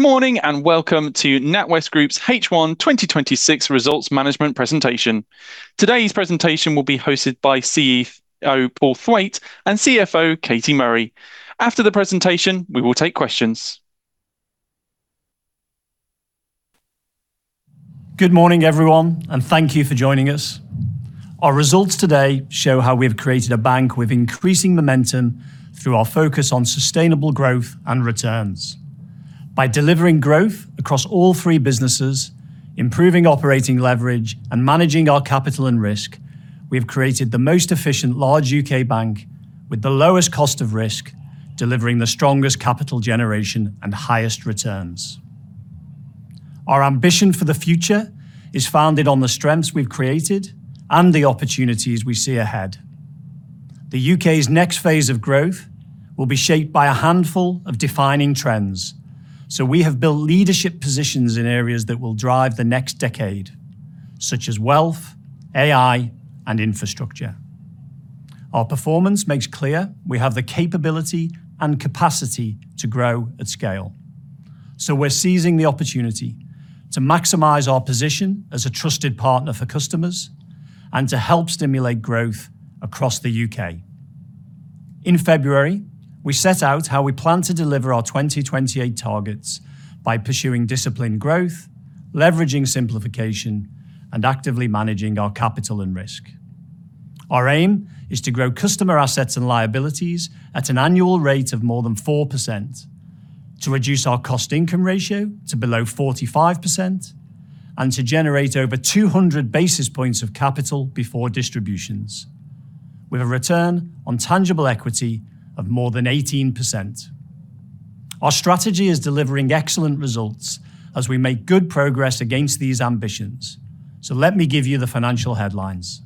Good morning, and welcome to NatWest Group's H1 2026 Results Management Presentation. Today's presentation will be hosted by CEO Paul Thwaite and CFO Katie Murray. After the presentation, we will take questions. Good morning, everyone, and thank you for joining us. Our results today show how we've created a bank with increasing momentum through our focus on sustainable growth and returns. By delivering growth across all three businesses, improving operating leverage, and managing our capital and risk, we've created the most efficient large U.K. bank with the lowest cost of risk, delivering the strongest capital generation and highest returns. Our ambition for the future is founded on the strengths we've created and the opportunities we see ahead. The U.K.'s next phase of growth will be shaped by a handful of defining trends, we have built leadership positions in areas that will drive the next decade, such as wealth, AI, and infrastructure. Our performance makes clear we have the capability and capacity to grow at scale. We're seizing the opportunity to maximize our position as a trusted partner for customers and to help stimulate growth across the U.K. In February, we set out how we plan to deliver our 2028 targets by pursuing disciplined growth, leveraging simplification, and actively managing our capital and risk. Our aim is to grow customer assets and liabilities at an annual rate of more than 4%, to reduce our cost-income ratio to below 45%, and to generate over 200 basis points of capital before distributions, with a return on tangible equity of more than 18%. Our strategy is delivering excellent results as we make good progress against these ambitions. Let me give you the financial headlines.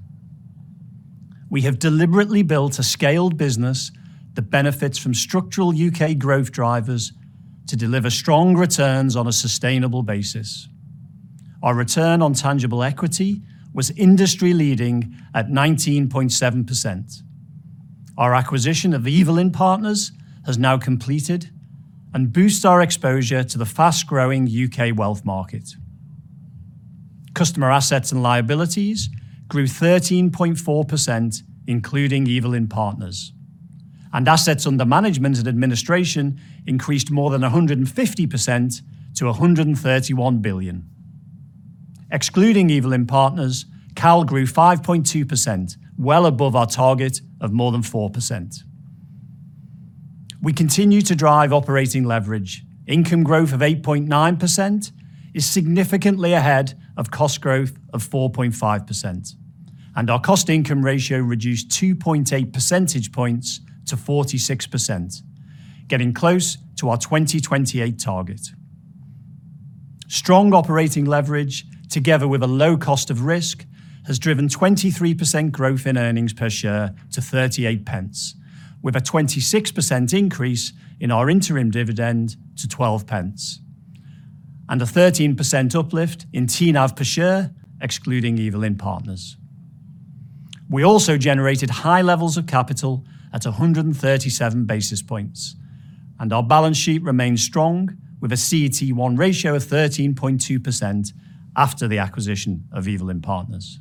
We have deliberately built a scaled business that benefits from structural U.K. growth drivers to deliver strong returns on a sustainable basis. Our return on tangible equity was industry leading at 19.7%. Our acquisition of Evelyn Partners has now completed and boosts our exposure to the fast-growing U.K. wealth market. Customer assets and liabilities grew 13.4%, including Evelyn Partners. Assets under management and administration increased more than 150% to 131 billion. Excluding Evelyn Partners, CAL grew 5.2%, well above our target of more than 4%. We continue to drive operating leverage. Income growth of 8.9% is significantly ahead of cost growth of 4.5%. Our cost-income ratio reduced 2.8 percentage points to 46%, getting close to our 2028 target. Strong operating leverage, together with a low cost of risk, has driven 23% growth in earnings per share to 0.38, with a 26% increase in our interim dividend to 0.12 and a 13% uplift in TNAV per share, excluding Evelyn Partners. We also generated high levels of capital at 137 basis points, and our balance sheet remains strong with a CET1 ratio of 13.2% after the acquisition of Evelyn Partners.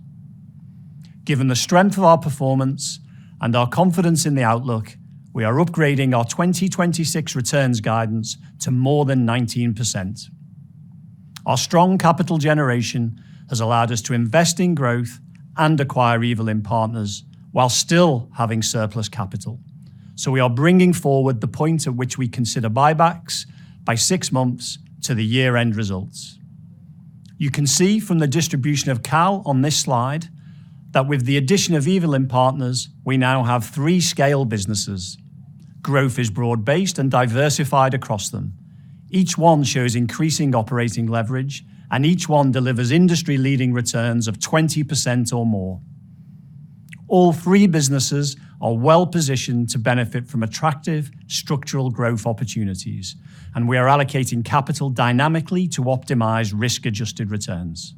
Given the strength of our performance and our confidence in the outlook, we are upgrading our 2026 returns guidance to more than 19%. Our strong capital generation has allowed us to invest in growth and acquire Evelyn Partners while still having surplus capital. We are bringing forward the point at which we consider buybacks by six months to the year-end results. You can see from the distribution of CAL on this slide that with the addition of Evelyn Partners, we now have three scale businesses. Growth is broad based and diversified across them. Each one shows increasing operating leverage, and each one delivers industry leading returns of 20% or more. All three businesses are well-positioned to benefit from attractive structural growth opportunities, and we are allocating capital dynamically to optimize risk-adjusted returns.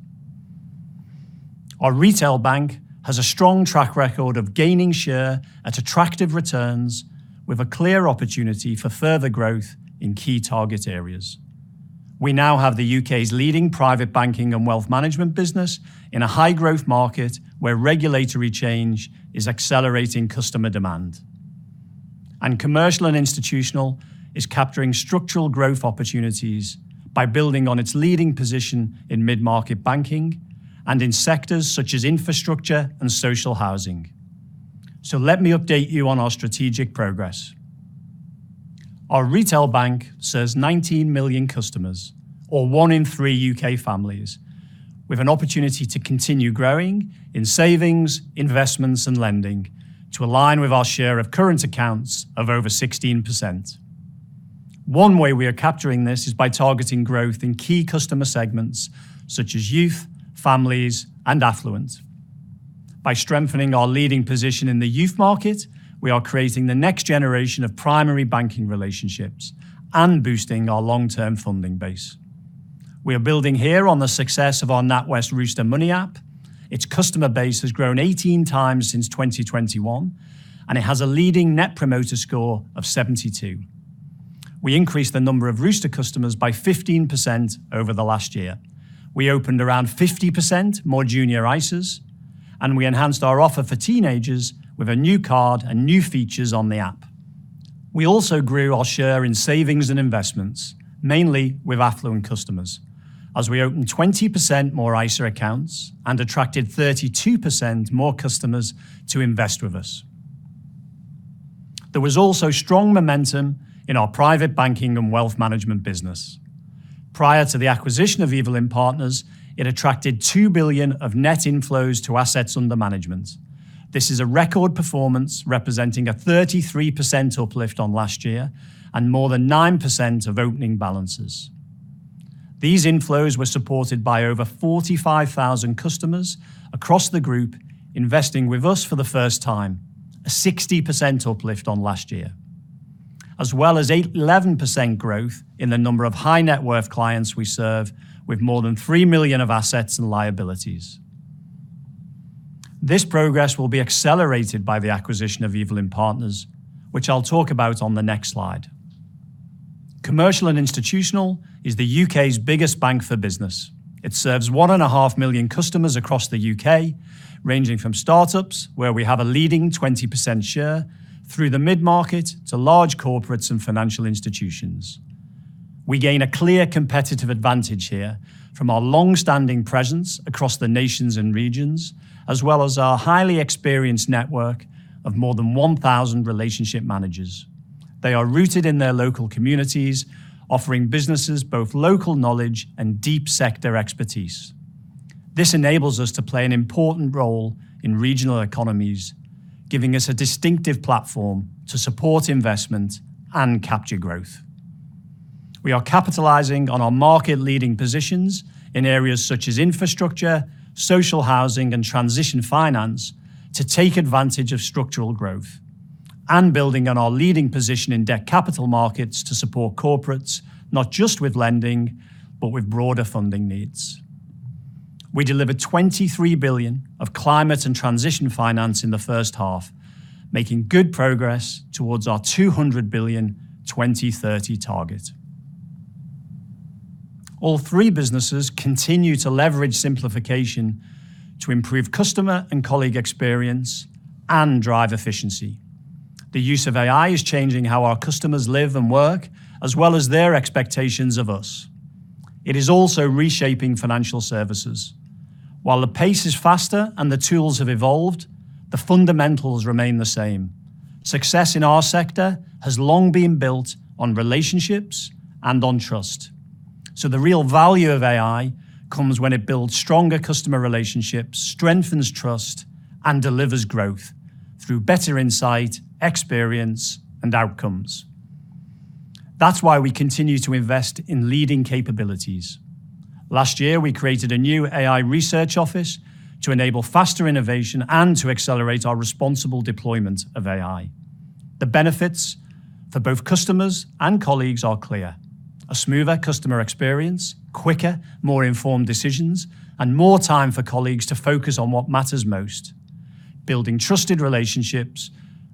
Our retail bank has a strong track record of gaining share at attractive returns with a clear opportunity for further growth in key target areas. We now have the U.K.'s leading private banking and wealth management business in a high growth market where regulatory change is accelerating customer demand. Commercial and institutional is capturing structural growth opportunities by building on its leading position in mid-market banking and in sectors such as infrastructure and social housing. Let me update you on our strategic progress. Our retail bank serves 19 million customers or one in three U.K. families, with an opportunity to continue growing in savings, investments, and lending to align with our share of current accounts of over 16%. One way we are capturing this is by targeting growth in key customer segments such as youth, families, and affluent. By strengthening our leading position in the youth market, we are creating the next generation of primary banking relationships and boosting our long-term funding base. We are building here on the success of our NatWest Rooster Money app. Its customer base has grown 18 times since 2021, and it has a leading net promoter score of 72. We increased the number of Rooster customers by 15% over the last year. We opened around 50% more junior ISAs, and we enhanced our offer for teenagers with a new card and new features on the app. We also grew our share in savings and investments, mainly with affluent customers, as we opened 20% more ISA accounts and attracted 32% more customers to invest with us. There was also strong momentum in our private banking and wealth management business. Prior to the acquisition of Evelyn Partners, it attracted 2 billion of net inflows to assets under management. This is a record performance representing a 33% uplift on last year and more than 9% of opening balances. These inflows were supported by over 45,000 customers across the group investing with us for the first time, a 60% uplift on last year. As well as 11% growth in the number of high net worth clients we serve with more than 3 million of assets and liabilities. This progress will be accelerated by the acquisition of Evelyn Partners, which I'll talk about on the next slide. Commercial and Institutional is the U.K.'s biggest bank for business. It serves 1.5 million customers across the U.K., ranging from startups, where we have a leading 20% share, through the mid-market, to large corporates and financial institutions. We gain a clear competitive advantage here from our longstanding presence across the nations and regions, as well as our highly experienced network of more than 1,000 relationship managers. They are rooted in their local communities, offering businesses both local knowledge and deep sector expertise. This enables us to play an important role in regional economies, giving us a distinctive platform to support investment and capture growth. We are capitalizing on our market-leading positions in areas such as infrastructure, social housing, and transition finance to take advantage of structural growth, and building on our leading position in debt capital markets to support corporates, not just with lending, but with broader funding needs. We delivered 23 billion of climate and transition finance in the first half, making good progress towards our 200 billion 2030 target. All three businesses continue to leverage simplification to improve customer and colleague experience and drive efficiency. The use of AI is changing how our customers live and work, as well as their expectations of us. It is also reshaping financial services. While the pace is faster and the tools have evolved, the fundamentals remain the same. Success in our sector has long been built on relationships and on trust, the real value of AI comes when it builds stronger customer relationships, strengthens trust, and delivers growth through better insight, experience, and outcomes. That's why we continue to invest in leading capabilities. Last year, we created a new AI research office to enable faster innovation and to accelerate our responsible deployment of AI. The benefits for both customers and colleagues are clear. A smoother customer experience, quicker, more informed decisions, and more time for colleagues to focus on what matters most, building trusted relationships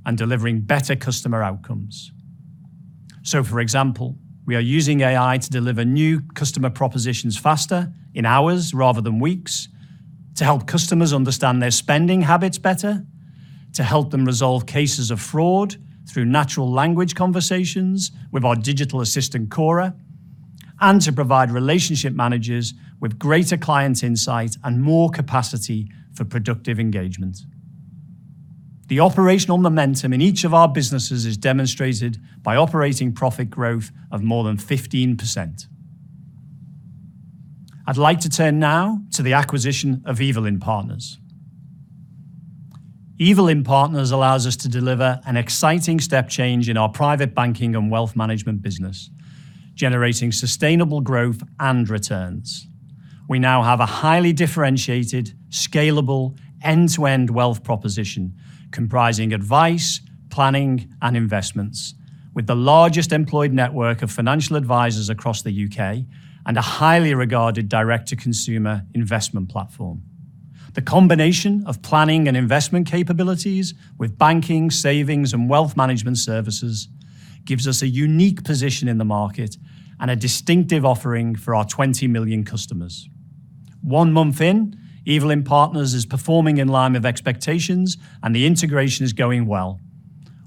and delivering better customer outcomes. For example, we are using AI to deliver new customer propositions faster, in hours rather than weeks, to help customers understand their spending habits better, to help them resolve cases of fraud through natural language conversations with our digital assistant, Cora, and to provide relationship managers with greater client insight and more capacity for productive engagement. The operational momentum in each of our businesses is demonstrated by operating profit growth of more than 15%. I'd like to turn now to the acquisition of Evelyn Partners. Evelyn Partners allows us to deliver an exciting step change in our private banking and wealth management business, generating sustainable growth and returns. We now have a highly differentiated, scalable, end-to-end wealth proposition comprising advice, planning, and investments with the largest employed network of financial advisors across the U.K. and a highly regarded direct-to-consumer investment platform. The combination of planning and investment capabilities with banking, savings, and wealth management services gives us a unique position in the market and a distinctive offering for our 20 million customers. One month in, Evelyn Partners is performing in line with expectations, the integration is going well.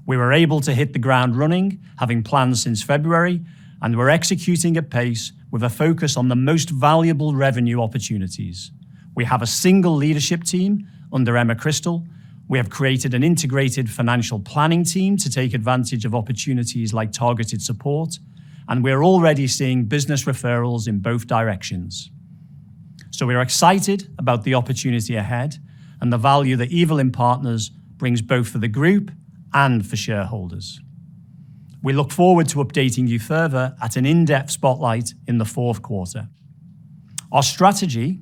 We were able to hit the ground running, having planned since February, we're executing at pace with a focus on the most valuable revenue opportunities. We have a single leadership team under Emma Crystal. We have created an integrated financial planning team to take advantage of opportunities like targeted support, we are already seeing business referrals in both directions. We are excited about the opportunity ahead and the value that Evelyn Partners brings both for the group and for shareholders. We look forward to updating you further at an in-depth spotlight in the fourth quarter. Our strategy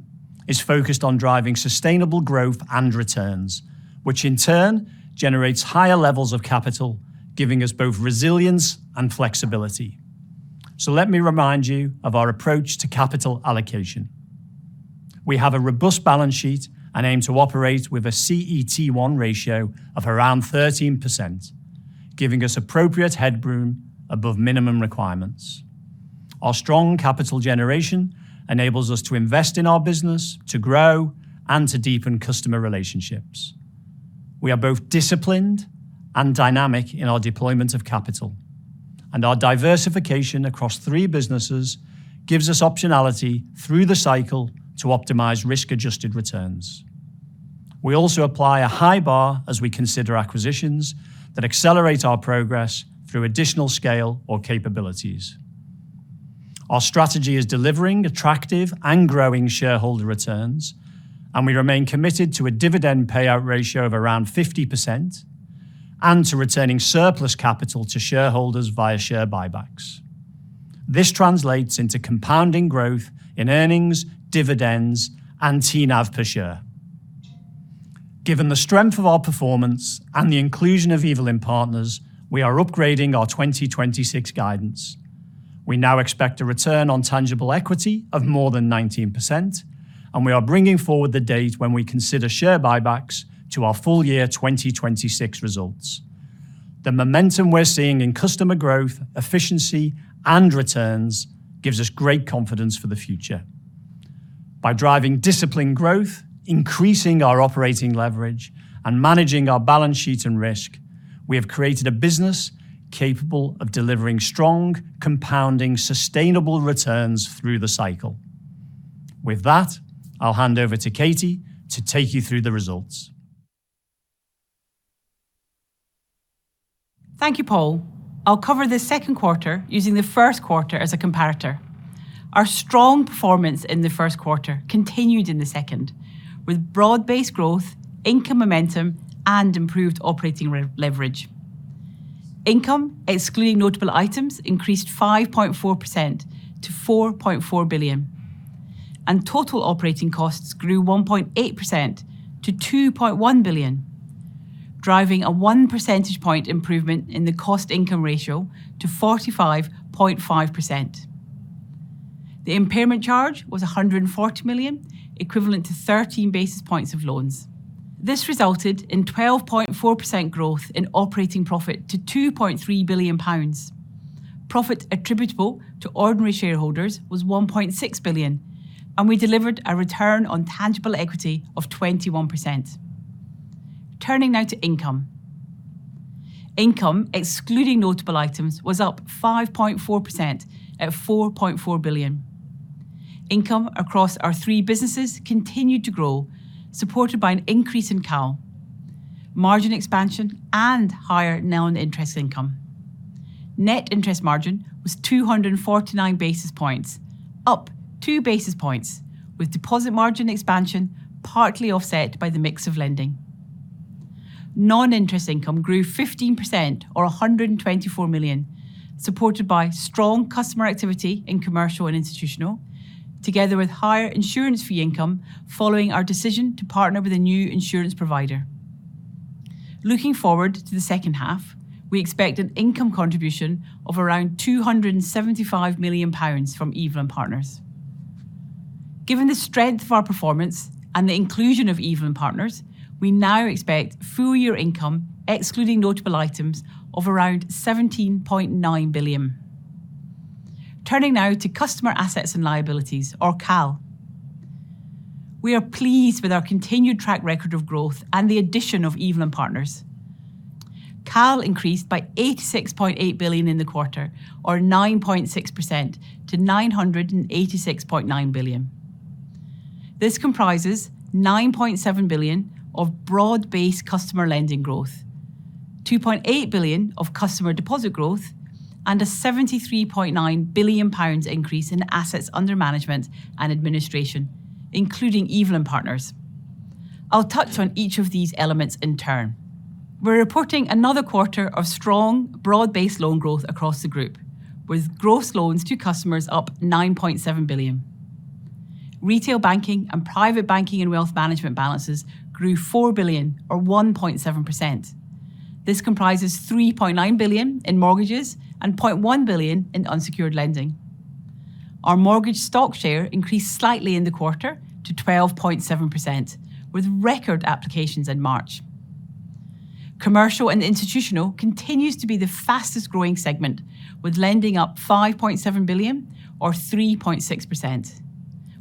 is focused on driving sustainable growth and returns, which in turn generates higher levels of capital, giving us both resilience and flexibility. Let me remind you of our approach to capital allocation. We have a robust balance sheet and aim to operate with a CET1 ratio of around 13%, giving us appropriate headroom above minimum requirements. Our strong capital generation enables us to invest in our business, to grow and to deepen customer relationships. We are both disciplined and dynamic in our deployment of capital, and our diversification across three businesses gives us optionality through the cycle to optimize risk-adjusted returns. We also apply a high bar as we consider acquisitions that accelerate our progress through additional scale or capabilities. Our strategy is delivering attractive and growing shareholder returns, and we remain committed to a dividend payout ratio of around 50% and to returning surplus capital to shareholders via share buybacks. This translates into compounding growth in earnings, dividends, and TNAV per share. Given the strength of our performance and the inclusion of Evelyn Partners, we are upgrading our 2026 guidance. We now expect a return on tangible equity of more than 19%, and we are bringing forward the date when we consider share buybacks to our full-year 2026 results. The momentum we are seeing in customer growth, efficiency, and returns gives us great confidence for the future. By driving disciplined growth, increasing our operating leverage, and managing our balance sheet and risk, we have created a business capable of delivering strong, compounding, sustainable returns through the cycle. With that, I will hand over to Katie to take you through the results. Thank you, Paul. I will cover the second quarter using the first quarter as a comparator. Our strong performance in the first quarter continued in the second, with broad-based growth, income momentum, and improved operating leverage. Income, excluding notable items, increased 5.4% to 4.4 billion, and total operating costs grew 1.8% to 2.1 billion, driving 1 percentage point improvement in the cost-income ratio to 45.5%. The impairment charge was 140 million, equivalent to 13 basis points of loans. This resulted in 12.4% growth in operating profit to 2.3 billion pounds. Profit attributable to ordinary shareholders was 1.6 billion, and we delivered a return on tangible equity of 21%. Turning now to income. Income, excluding notable items, was up 5.4% at 4.4 billion. Income across our three businesses continued to grow, supported by an increase in CAL, margin expansion, and higher non-interest income. Net interest margin was 249 basis points, up 2 basis points, with deposit margin expansion partly offset by the mix of lending. Non-interest income grew 15%, or 124 million, supported by strong customer activity in Commercial and Institutional, together with higher insurance fee income following our decision to partner with a new insurance provider. Looking forward to the second half, we expect an income contribution of around 275 million pounds from Evelyn Partners. Given the strength of our performance and the inclusion of Evelyn Partners, we now expect full-year income, excluding notable items, of around 17.9 billion. Turning now to customer assets and liabilities, or CAL. We are pleased with our continued track record of growth and the addition of Evelyn Partners. CAL increased by 86.8 billion in the quarter, or 9.6%, to 986.9 billion. This comprises 9.7 billion of broad-based customer lending growth, 2.8 billion of customer deposit growth, and a 73.9 billion pounds increase in assets under management and administration, including Evelyn Partners. I'll touch on each of these elements in turn. We're reporting another quarter of strong broad-based loan growth across the group, with gross loans to customers up 9.7 billion. Retail Banking and Private Banking & Wealth Management balances grew 4 billion or 1.7%. This comprises 3.9 billion in mortgages and 0.1 billion in unsecured lending. Our mortgage stock share increased slightly in the quarter to 12.7%, with record applications in March. Commercial and Institutional continues to be the fastest-growing segment, with lending up 5.7 billion or 3.6%.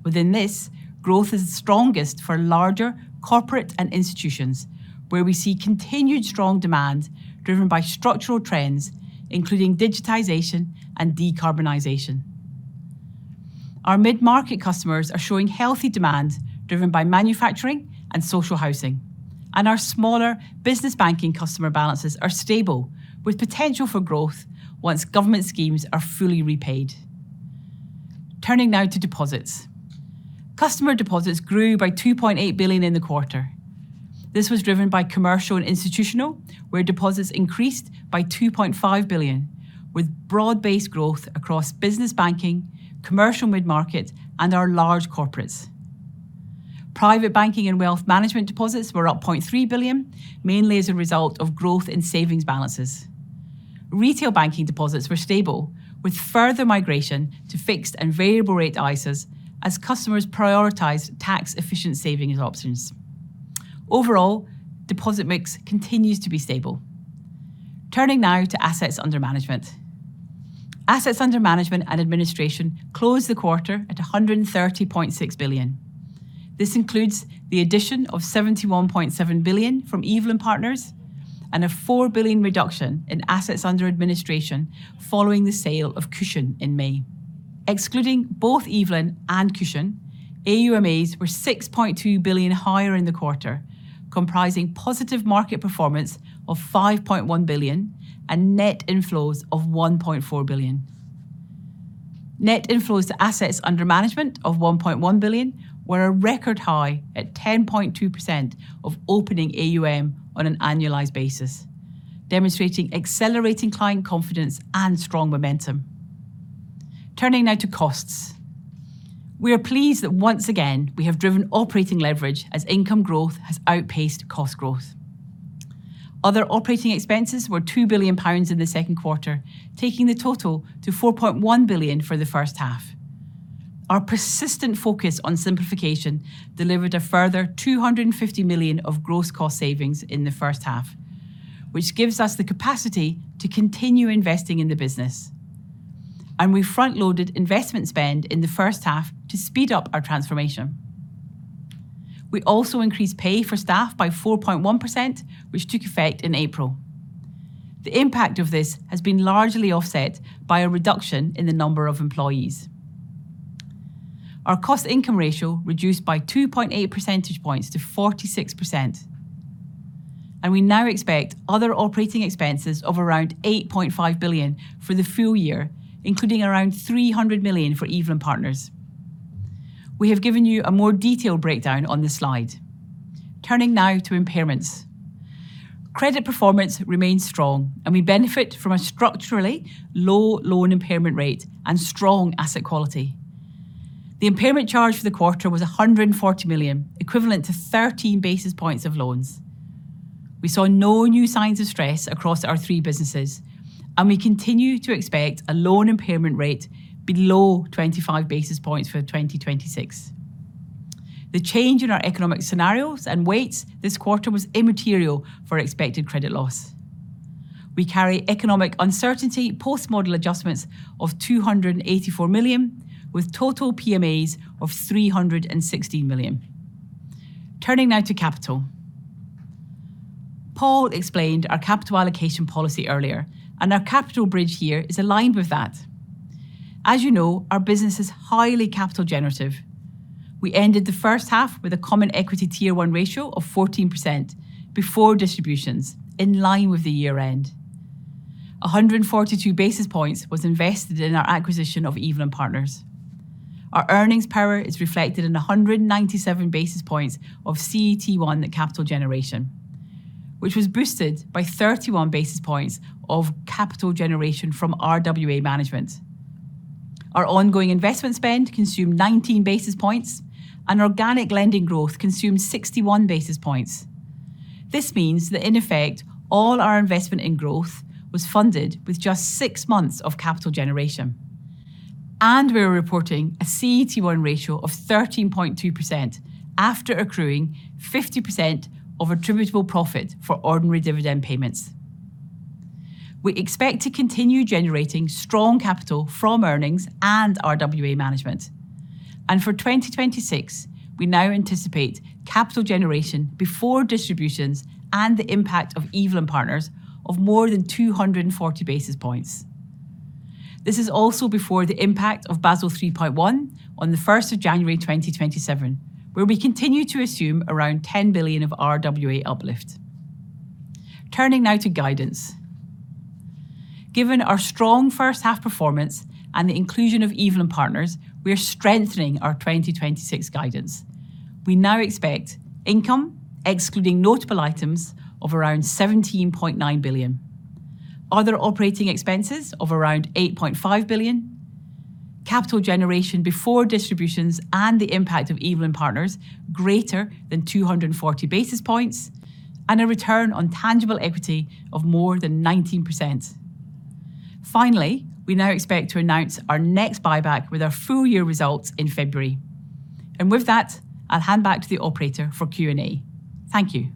Within this, growth is strongest for larger corporate and institutions, where we see continued strong demand driven by structural trends, including digitization and decarbonization. Our mid-market customers are showing healthy demand driven by manufacturing and social housing. Our smaller Business Banking customer balances are stable with potential for growth once government schemes are fully repaid. Turning now to deposits. Customer deposits grew by 2.8 billion in the quarter. This was driven by Commercial and Institutional, where deposits increased by 2.5 billion, with broad-based growth across Business Banking, Commercial Mid-Market, and our large corporates. Private Banking & Wealth Management deposits were up 0.3 billion, mainly as a result of growth in savings balances. Retail Banking deposits were stable, with further migration to fixed and variable rate ISAs as customers prioritized tax-efficient savings options. Overall, deposit mix continues to be stable. Turning now to assets under management. Assets under management and administration closed the quarter at 130.6 billion. This includes the addition of 71.7 billion from Evelyn Partners and a 4 billion reduction in assets under administration following the sale of Cushon in May. Excluding both Evelyn and Cushon, AUMAs were 6.2 billion higher in the quarter, comprising positive market performance of 5.1 billion and net inflows of 1.4 billion. Net inflows to assets under management of 1.1 billion were a record high at 10.2% of opening AUM on an annualized basis, demonstrating accelerating client confidence and strong momentum. Turning now to costs. We are pleased that once again, we have driven operating leverage as income growth has outpaced cost growth. Other operating expenses were 2 billion pounds in the second quarter, taking the total to 4.1 billion for the first half. Our persistent focus on simplification delivered a further 250 million of gross cost savings in the first half, which gives us the capacity to continue investing in the business. We front-loaded investment spend in the first half to speed up our transformation. We also increased pay for staff by 4.1%, which took effect in April. The impact of this has been largely offset by a reduction in the number of employees. Our cost-income ratio reduced by 2.8 percentage points to 46%, and we now expect other operating expenses of around 8.5 billion for the full-year, including around 300 million for Evelyn Partners. We have given you a more detailed breakdown on the slide. Turning now to impairments. Credit performance remains strong, and we benefit from a structurally low loan impairment rate and strong asset quality. The impairment charge for the quarter was 140 million, equivalent to 13 basis points of loans. We saw no new signs of stress across our three businesses, and we continue to expect a loan impairment rate below 25 basis points for 2026. The change in our economic scenarios and weights this quarter was immaterial for expected credit loss. We carry economic uncertainty post-model adjustments of 284 million, with total PMAs of 360 million. Turning now to capital. Paul explained our capital allocation policy earlier, and our capital bridge here is aligned with that. As you know, our business is highly capital generative. We ended the first half with a common equity tier one ratio of 14% before distributions, in line with the year-end. 142 basis points was invested in our acquisition of Evelyn Partners. Our earnings power is reflected in 197 basis points of CET1 capital generation, which was boosted by 31 basis points of capital generation from RWA management. Our ongoing investment spend consumed 19 basis points, and organic lending growth consumed 61 basis points. This means that in effect, all our investment in growth was funded with just six months of capital generation. We are reporting a CET1 ratio of 13.2% after accruing 50% of attributable profit for ordinary dividend payments. We expect to continue generating strong capital from earnings and RWA management. For 2026, we now anticipate capital generation before distributions and the impact of Evelyn Partners of more than 240 basis points. This is also before the impact of Basel 3.1 on January 1st, 2027, where we continue to assume around 10 billion of RWA uplift. Turning now to guidance. Given our strong first-half performance and the inclusion of Evelyn Partners, we are strengthening our 2026 guidance. We now expect income, excluding notable items, of around 17.9 billion, other operating expenses of around 8.5 billion, capital generation before distributions and the impact of Evelyn Partners greater than 240 basis points, and a return on tangible equity of more than 19%. Finally, we now expect to announce our next buyback with our full-year results in February. With that, I will hand back to the operator for Q&A. Thank you.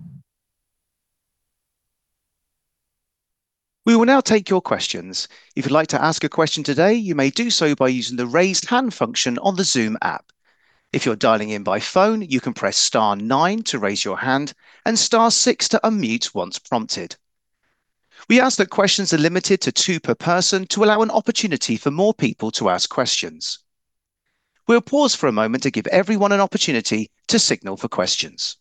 We will now take your questions. If you'd like to ask a question today, you may do so by using the raise hand function on the Zoom app. If you're dialing in by phone, you can press star nine to raise your hand and star six to unmute once prompted. We ask that questions are limited to two per person to allow an opportunity for more people to ask questions. We'll pause for a moment to give everyone an opportunity to signal for questions.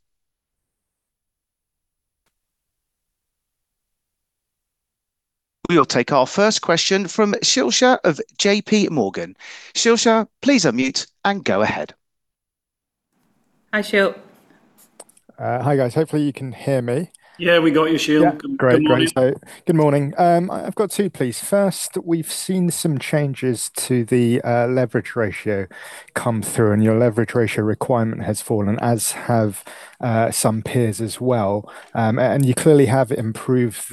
We'll take our first question from Sheel Shah of JPMorgan. Sheel Shah, please unmute and go ahead. Hi, Sheel. Hi, guys. Hopefully you can hear me. Yeah, we got you, Sheel. Yeah, great. Good morning. Good morning. I've got two, please. First, we've seen some changes to the leverage ratio come through, and your leverage ratio requirement has fallen, as have some peers as well. You clearly have improved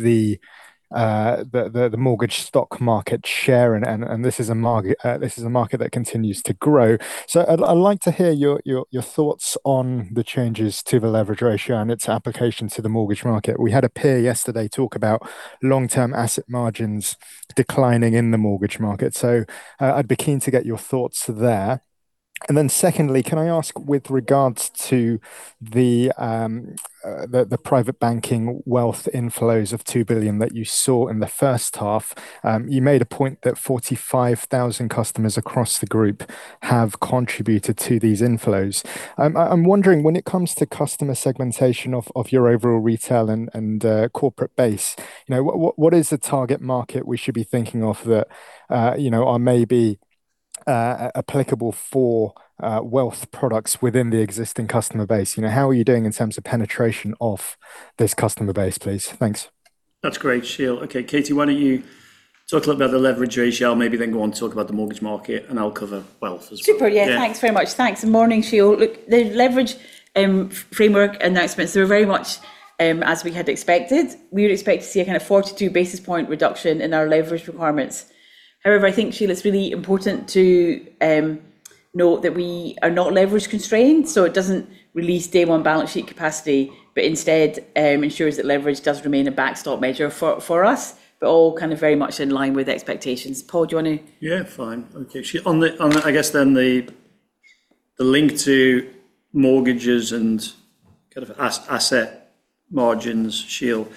the mortgage stock market share, and this is a market that continues to grow. I'd like to hear your thoughts on the changes to the leverage ratio and its application to the mortgage market. We had a peer yesterday talk about long-term asset margins declining in the mortgage market, so I'd be keen to get your thoughts there. Then secondly, can I ask, with regards to the private banking wealth inflows of 2 billion that you saw in the first half, you made a point that 45,000 customers across the group have contributed to these inflows. I'm wondering, when it comes to customer segmentation of your overall retail and corporate base, what is the target market we should be thinking of that are maybe applicable for wealth products within the existing customer base? How are you doing in terms of penetration of this customer base, please? Thanks. That's great, Sheel. Okay, Katie, why don't you talk a little about the leverage ratio, maybe then go on to talk about the mortgage market and I'll cover wealth as well. Super. Yeah, thanks very much. Morning, Sheel. Look, the leverage framework announcements are very much as we had expected. We were expected to see a kind of 42 basis point reduction in our leverage requirements. However, I think, Sheel, it's really important to note that we are not leverage constrained, so it doesn't release day one balance sheet capacity, but instead ensures that leverage does remain a backstop measure for us, but all very much in line with expectations. Paul, do you want to? Sheel, on, I guess the link to mortgages and kind of asset margins, Sheel.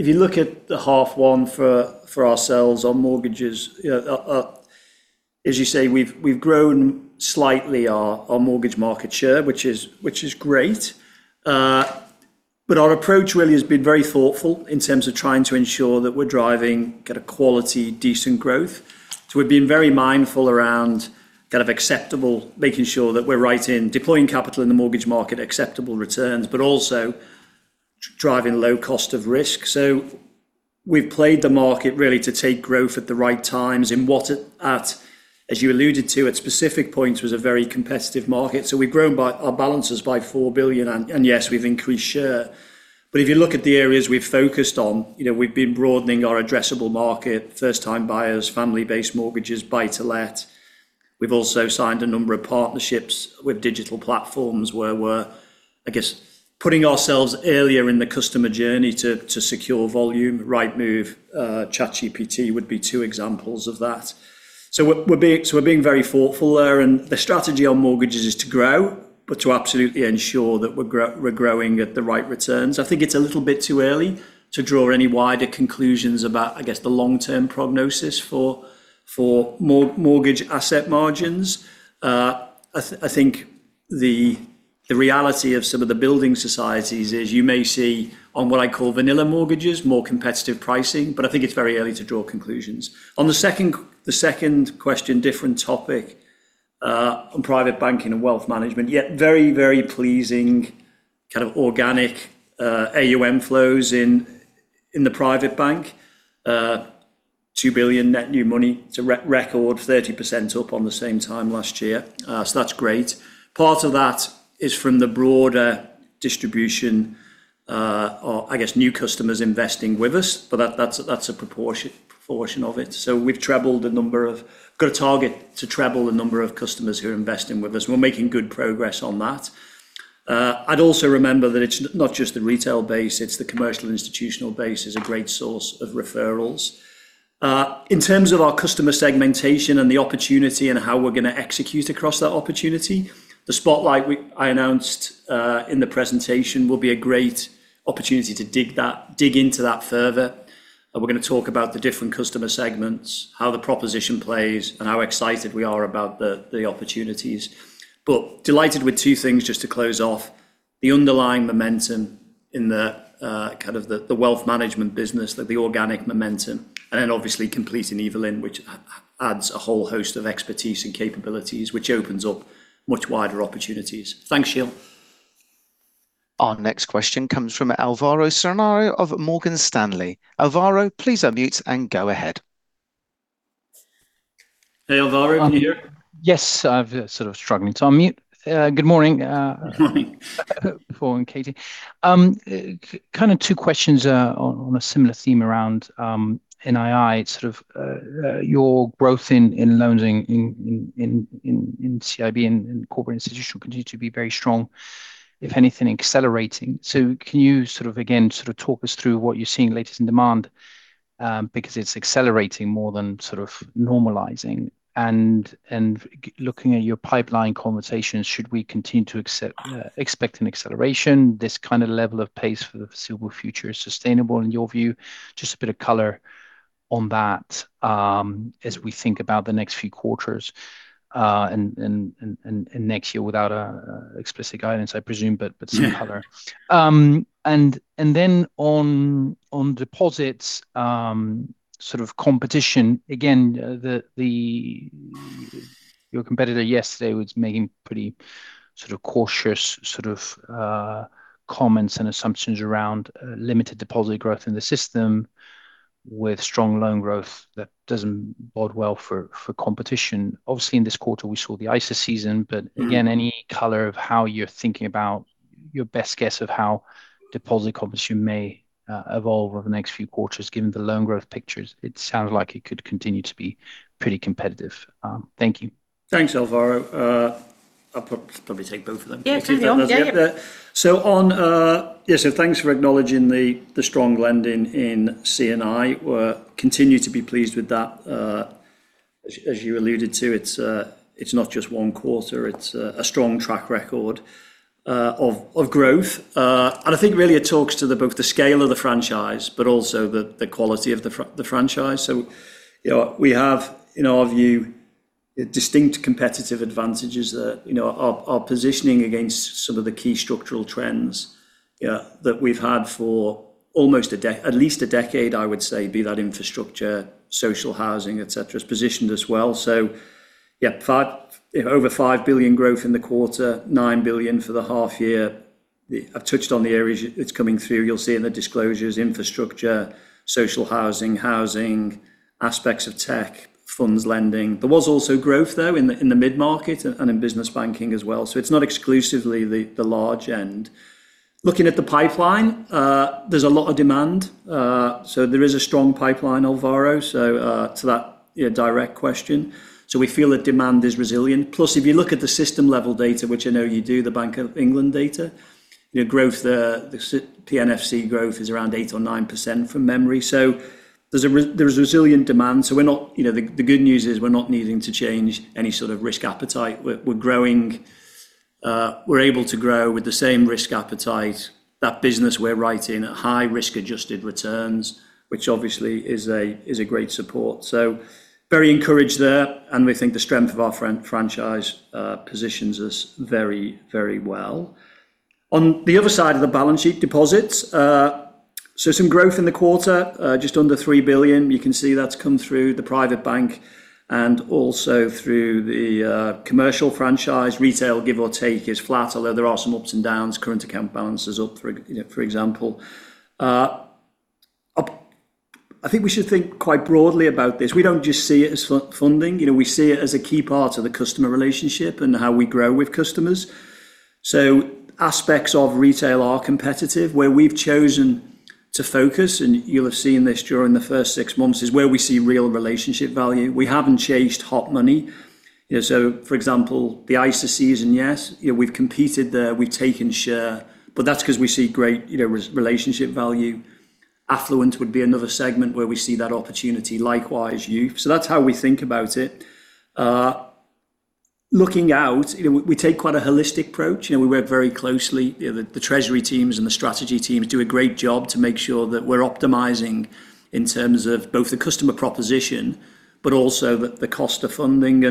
If you look at H1 for ourselves on mortgages, as you say, we've grown slightly our mortgage market share, which is great. Our approach really has been very thoughtful in terms of trying to ensure that we're driving quality, decent growth. We've been very mindful around making sure that we're right in deploying capital in the mortgage market, acceptable returns, but also driving low cost of risk. We've played the market really to take growth at the right times in what at, as you alluded to, at specific points was a very competitive market. We've grown our balances by 4 billion, and yes, we've increased share. If you look at the areas we've focused on, we've been broadening our addressable market, first-time buyers, family-based mortgages, buy-to-let. We've also signed a number of partnerships with digital platforms where we're, I guess, putting ourselves earlier in the customer journey to secure volume. Rightmove, ChatGPT would be two examples of that. We're being very thoughtful there. The strategy on mortgages is to grow, to absolutely ensure that we're growing at the right returns. I think it's a little bit too early to draw any wider conclusions about, I guess, the long-term prognosis for mortgage asset margins. I think the reality of some of the building societies is, you may see on what I call vanilla mortgages, more competitive pricing. I think it's very early to draw conclusions. On the second question, different topic, on private banking and wealth management, yet very pleasing kind of organic AUM flows in the private bank. 2 billion net new money, it's a record, 30% up on the same time last year. That's great. Part of that is from the broader distribution or I guess, new customers investing with us, but that's a proportion of it. We've got a target to treble the number of customers who are investing with us. We're making good progress on that. I'd also remember that it's not just the retail base, it's the Commercial & Institutional base is a great source of referrals. In terms of our customer segmentation and the opportunity, how we're going to execute across that opportunity, the spotlight I announced in the presentation will be a great opportunity to dig into that further. We're going to talk about the different customer segments, how the proposition plays, and how excited we are about the opportunities. Delighted with two things just to close off, the underlying momentum in the kind of the wealth management business, the organic momentum, and then obviously completing Evelyn, which adds a whole host of expertise and capabilities, which opens up much wider opportunities. Thanks, Sheel. Our next question comes from Alvaro Serrano of Morgan Stanley. Alvaro, please unmute and go ahead. Hey, Alvaro, are you here? Yes, I'm sort of struggling to unmute. Good morning. Morning. Good morning, Katie. Kind of two questions on a similar theme around NII. It's sort of your growth in loans in CIB and corporate institutions continue to be very strong, if anything, accelerating. Can you sort of, again, talk us through what you're seeing latest in demand? It's accelerating more than sort of normalizing. Looking at your pipeline conversations, should we continue to expect an acceleration, this kind of level of pace for the foreseeable future is sustainable in your view? Just a bit of color on that as we think about the next few quarters and next year without explicit guidance, I presume, some color. On deposits competition, again, your competitor yesterday was making pretty cautious comments and assumptions around limited deposit growth in the system with strong loan growth that doesn't bode well for competition. Obviously, in this quarter we saw the ISA season, again, any color of how you're thinking about your best guess of how deposit competition may evolve over the next few quarters, given the loan growth pictures. It sounds like it could continue to be pretty competitive. Thank you. Thanks, Alvaro. I'll probably take both of them. Yeah, carry on. Thanks for acknowledging the strong lending in C&I. We continue to be pleased with that. As you alluded to, it's not just one quarter, it's a strong track record of growth. I think really it talks to both the scale of the franchise, but also the quality of the franchise. We have, in our view, distinct competitive advantages that our positioning against some of the key structural trends that we've had for at least a decade, I would say, be that infrastructure, social housing, etc, is positioned as well. Yeah, over 5 billion growth in the quarter, 9 billion for the half year. I've touched on the areas it's coming through. You'll see in the disclosures, infrastructure, social housing, aspects of tech, funds lending. There was also growth though in the mid-market and in business banking as well. It's not exclusively the large end. Looking at the pipeline, there's a lot of demand. There is a strong pipeline, Alvaro, so to that direct question. We feel that demand is resilient. Plus, if you look at the system level data, which I know you do, the Bank of England data, the PNFC growth is around 8% or 9% from memory. There's resilient demand. The good news is we're not needing to change any sort of risk appetite. We're able to grow with the same risk appetite. That business we're writing at high risk adjusted returns, which obviously is a great support. Very encouraged there, and we think the strength of our franchise positions us very, very well. On the other side of the balance sheet deposits, so some growth in the quarter, just under 3 billion. You can see that's come through the private bank and also through the commercial franchise. Retail, give or take, is flat, although there are some ups and downs, current account balance is up, for example. I think we should think quite broadly about this. We don't just see it as funding, we see it as a key part of the customer relationship and how we grow with customers. Aspects of retail are competitive where we've chosen to focus, and you'll have seen this during the first six months, is where we see real relationship value. We haven't chased hot money. For example, the ISA season, yes, we've competed there, we've taken share, but that's because we see great relationship value. Affluent would be another segment where we see that opportunity, likewise youth. That's how we think about it. Looking out, we take quite a holistic approach. We work very closely. The treasury teams and the strategy teams do a great job to make sure that we're optimizing in terms of both the customer proposition, but also the cost of funding.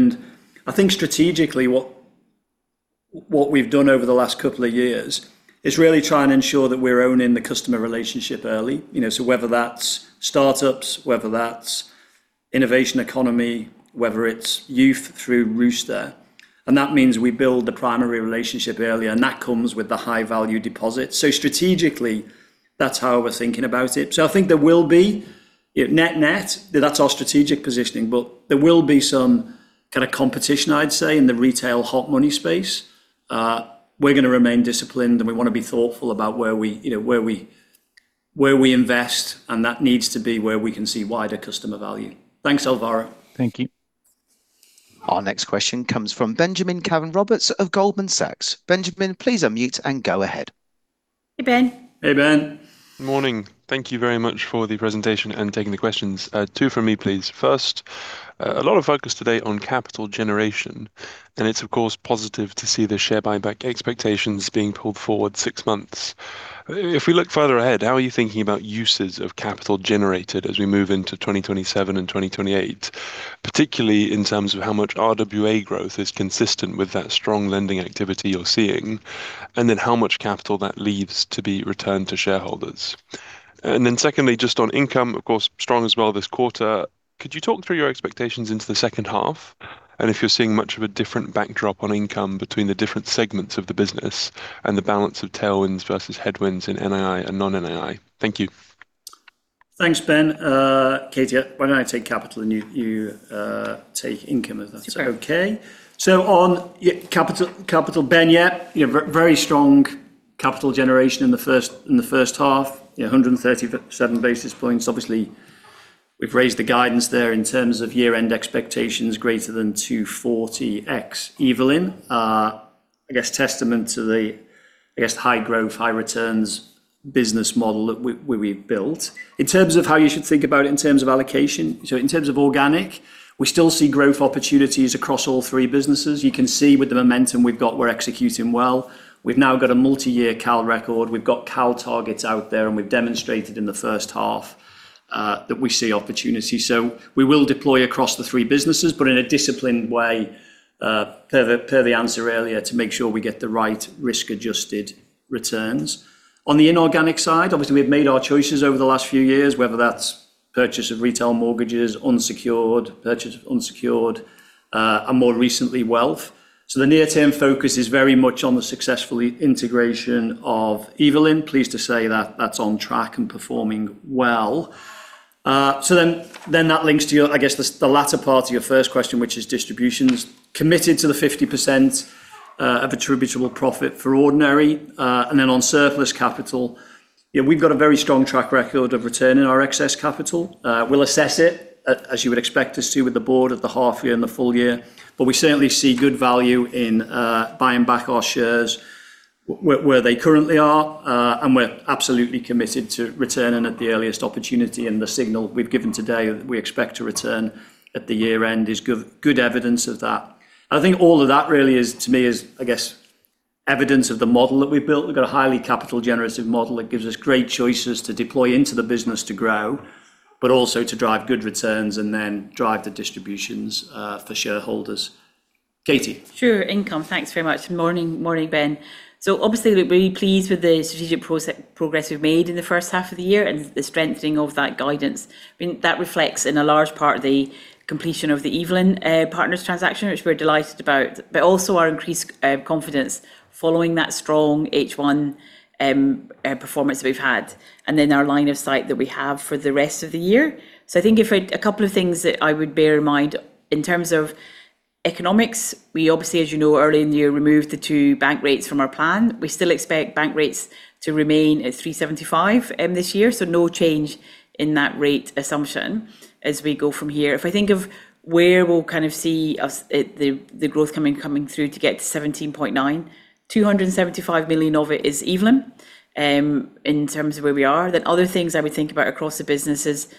I think strategically what we've done over the last couple of years is really try and ensure that we're owning the customer relationship early. Whether that's startups, whether that's innovation economy, whether it's youth through Rooster, and that means we build the primary relationship early and that comes with the high value deposit. Strategically, that's how we're thinking about it. I think there will be net-net, that's our strategic positioning, but there will be some kind of competition, I'd say, in the retail hot money space. We're going to remain disciplined, we want to be thoughtful about where we invest, and that needs to be where we can see wider customer value. Thanks, Alvaro. Thank you. Our next question comes from Benjamin Caven-Roberts of Goldman Sachs. Benjamin, please unmute and go ahead. Hey, Ben. Hey, Ben. Morning. Thank you very much for the presentation and taking the questions. Two from me, please. First, a lot of focus today on capital generation, it's of course positive to see the share buyback expectations being pulled forward six months. If we look further ahead, how are you thinking about uses of capital generated as we move into 2027 and 2028, particularly in terms of how much RWA growth is consistent with that strong lending activity you're seeing, then how much capital that leaves to be returned to shareholders? Secondly, just on income, of course, strong as well this quarter, could you talk through your expectations into the second half? If you're seeing much of a different backdrop on income between the different segments of the business and the balance of tailwinds versus headwinds in NII and non-NII. Thank you. Thanks, Ben. Katie, why don't I take capital and you take income, if that's okay. Sure. On capital, Ben. Very strong capital generation in the first half, 137 basis points. Obviously, we've raised the guidance there in terms of year-end expectations greater than 240 ex-Evelyn. I guess testament to the high growth, high returns business model that we've built. In terms of how you should think about it in terms of allocation, in terms of organic, we still see growth opportunities across all three businesses. You can see with the momentum we've got, we're executing well. We've now got a multi-year CAL record. We've got CAL targets out there, and we've demonstrated in the first half that we see opportunity. We will deploy across the three businesses, but in a disciplined way per the answer earlier, to make sure we get the right risk-adjusted returns. On the inorganic side, obviously we've made our choices over the last few years, whether that's purchase of retail mortgages, unsecured purchase of unsecured, and more recently, wealth. The near-term focus is very much on the successful integration of Evelyn. Pleased to say that that's on track and performing well. That links to, I guess, the latter part of your first question, which is distributions. Committed to the 50% of attributable profit for ordinary, on surplus capital. We've got a very strong track record of returning our excess capital. We'll assess it, as you would expect us to, with the board at the half year and the full-year, but we certainly see good value in buying back our shares where they currently are. We're absolutely committed to returning at the earliest opportunity, the signal we've given today, we expect to return at the year-end, is good evidence of that. I think all of that really is, to me, is, I guess, evidence of the model that we've built. We've got a highly capital generative model that gives us great choices to deploy into the business to grow, but also to drive good returns and drive the distributions, for shareholders. Katie? Sure. Income. Thanks very much. Morning, Ben. Obviously we're really pleased with the strategic progress we've made in the first half of the year and the strengthening of that guidance. I mean, that reflects in a large part the completion of the Evelyn Partners transaction, which we're delighted about, also our increased confidence following that strong H1 performance we've had, and our line of sight that we have for the rest of the year. I think a couple of things that I would bear in mind. In terms of economics, we obviously, as you know, early in the year, removed the two bank rates from our plan. We still expect bank rates to remain at 3.75% this year, no change in that rate assumption as we go from here. If I think of where we'll kind of see the growth coming through to get to 17.9 billion, 275 million of it is Evelyn, in terms of where we are. Other things I would think about across the business is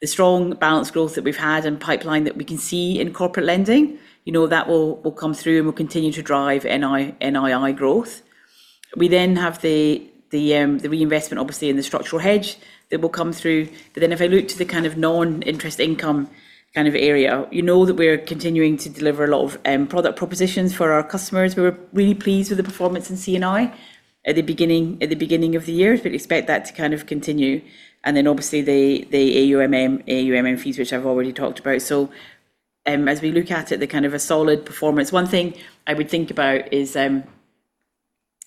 the strong balance growth that we've had and pipeline that we can see in corporate lending. That will come through and will continue to drive NII growth. We have the reinvestment, obviously, in the structural hedge that will come through. If I look to the kind of non-interest income kind of area, you know that we're continuing to deliver a lot of product propositions for our customers. We were really pleased with the performance in C&I at the beginning of the year, expect that to kind of continue. Obviously the AUM, AUMA fees, which I've already talked about. As we look at it, they're kind of a solid performance. One thing I would think about is that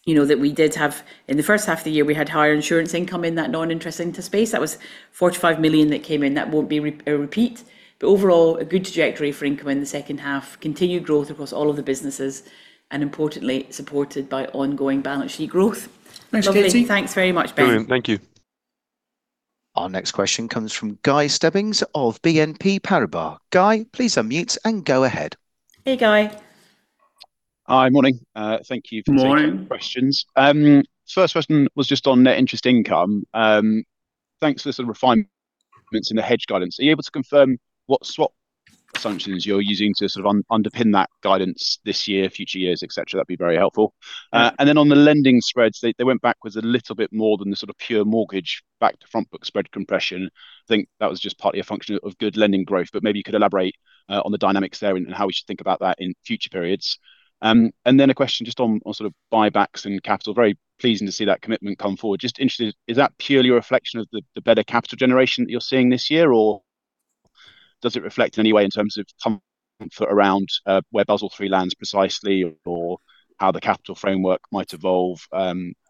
we did have, in the first half of the year, we had higher insurance income in that non-interest income space. That was 45 million that came in. That won't be a repeat, overall, a good trajectory for income in the second half. Continued growth across all of the businesses and importantly, supported by ongoing balance sheet growth. Thanks, Katie. Thanks very much, Ben. Brilliant. Thank you. Our next question comes from Guy Stebbings of BNP Paribas. Guy, please unmute and go ahead. Hey, Guy. Hi. Morning. Thank you- Morning. For taking questions. First question was just on net interest income. Thanks for the sort of refinements in the hedge guidance. Are you able to confirm what swap assumptions you're using to sort of underpin that guidance this year, future years, etc? That'd be very helpful. On the lending spreads, they went backwards a little bit more than the sort of pure mortgage back to front book spread compression. I think that was just partly a function of good lending growth, but maybe you could elaborate on the dynamics there and how we should think about that in future periods. A question just on sort of buybacks and capital. Very pleasing to see that commitment come forward. Just interested, is that purely a reflection of the better capital generation that you're seeing this year, or does it reflect in any way in terms of comfort around where Basel III lands precisely or how the capital framework might evolve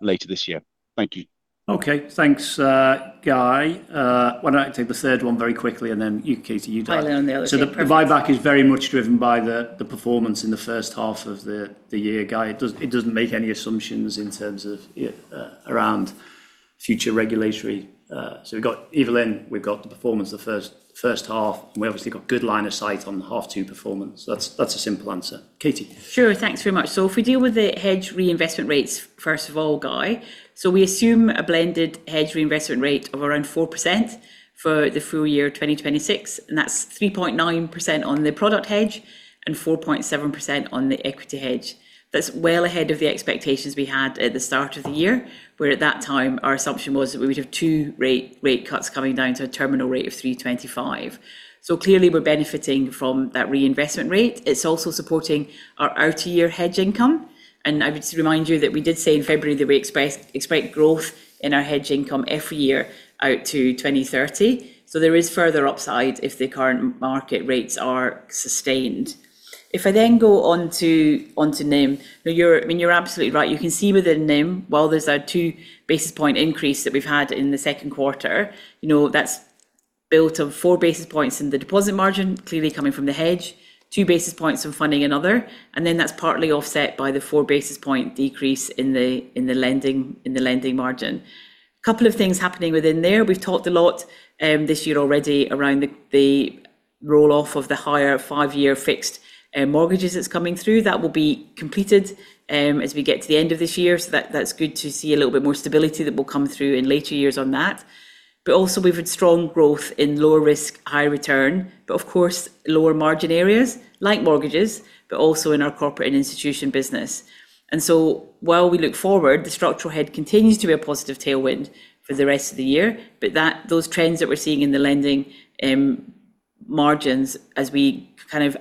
later this year? Thank you. Okay. Thanks, Guy. Why don't I take the third one very quickly and then you, Katie. I'll take on the- The buyback is very much driven by the performance in the first half of the year, Guy. It doesn't make any assumptions in terms of around future regulatory. We've got Evelyn, we've got the performance the first half, and we obviously have got good line of sight on the half two performance. That's a simple answer. Katie? Sure, thanks very much. If we deal with the hedge reinvestment rates, first of all, Guy. We assume a blended hedge reinvestment rate of around 4% for the full-year 2026, and that's 3.9% on the product hedge and 4.7% on the equity hedge. That's well ahead of the expectations we had at the start of the year, where at that time our assumption was that we would have two rate cuts coming down to a terminal rate of 3.25%. Clearly we're benefiting from that reinvestment rate. It's also supporting our out-year hedge income. I would just remind you that we did say in February that we expect growth in our hedge income every year out to 2030. There is further upside if the current market rates are sustained. If I then go on to NIM. You're absolutely right. You can see within NIM, while there's a 2 basis point increase that we've had in the second quarter. That's built on 4 basis points in the deposit margin, clearly coming from the hedge, 2 basis points from funding another, and then that's partly offset by the 4 basis point decrease in the lending margin. Couple of things happening within there. We've talked a lot this year already around the roll-off of the higher five-year fixed mortgages that's coming through. That will be completed as we get to the end of this year, so that's good to see a little bit more stability that will come through in later years on that. Also, we've had strong growth in lower risk, high return, but of course, lower margin areas like mortgages, but also in our corporate and institutional business. While we look forward, the structural hedge continues to be a positive tailwind for the rest of the year, those trends that we're seeing in the lending margins as we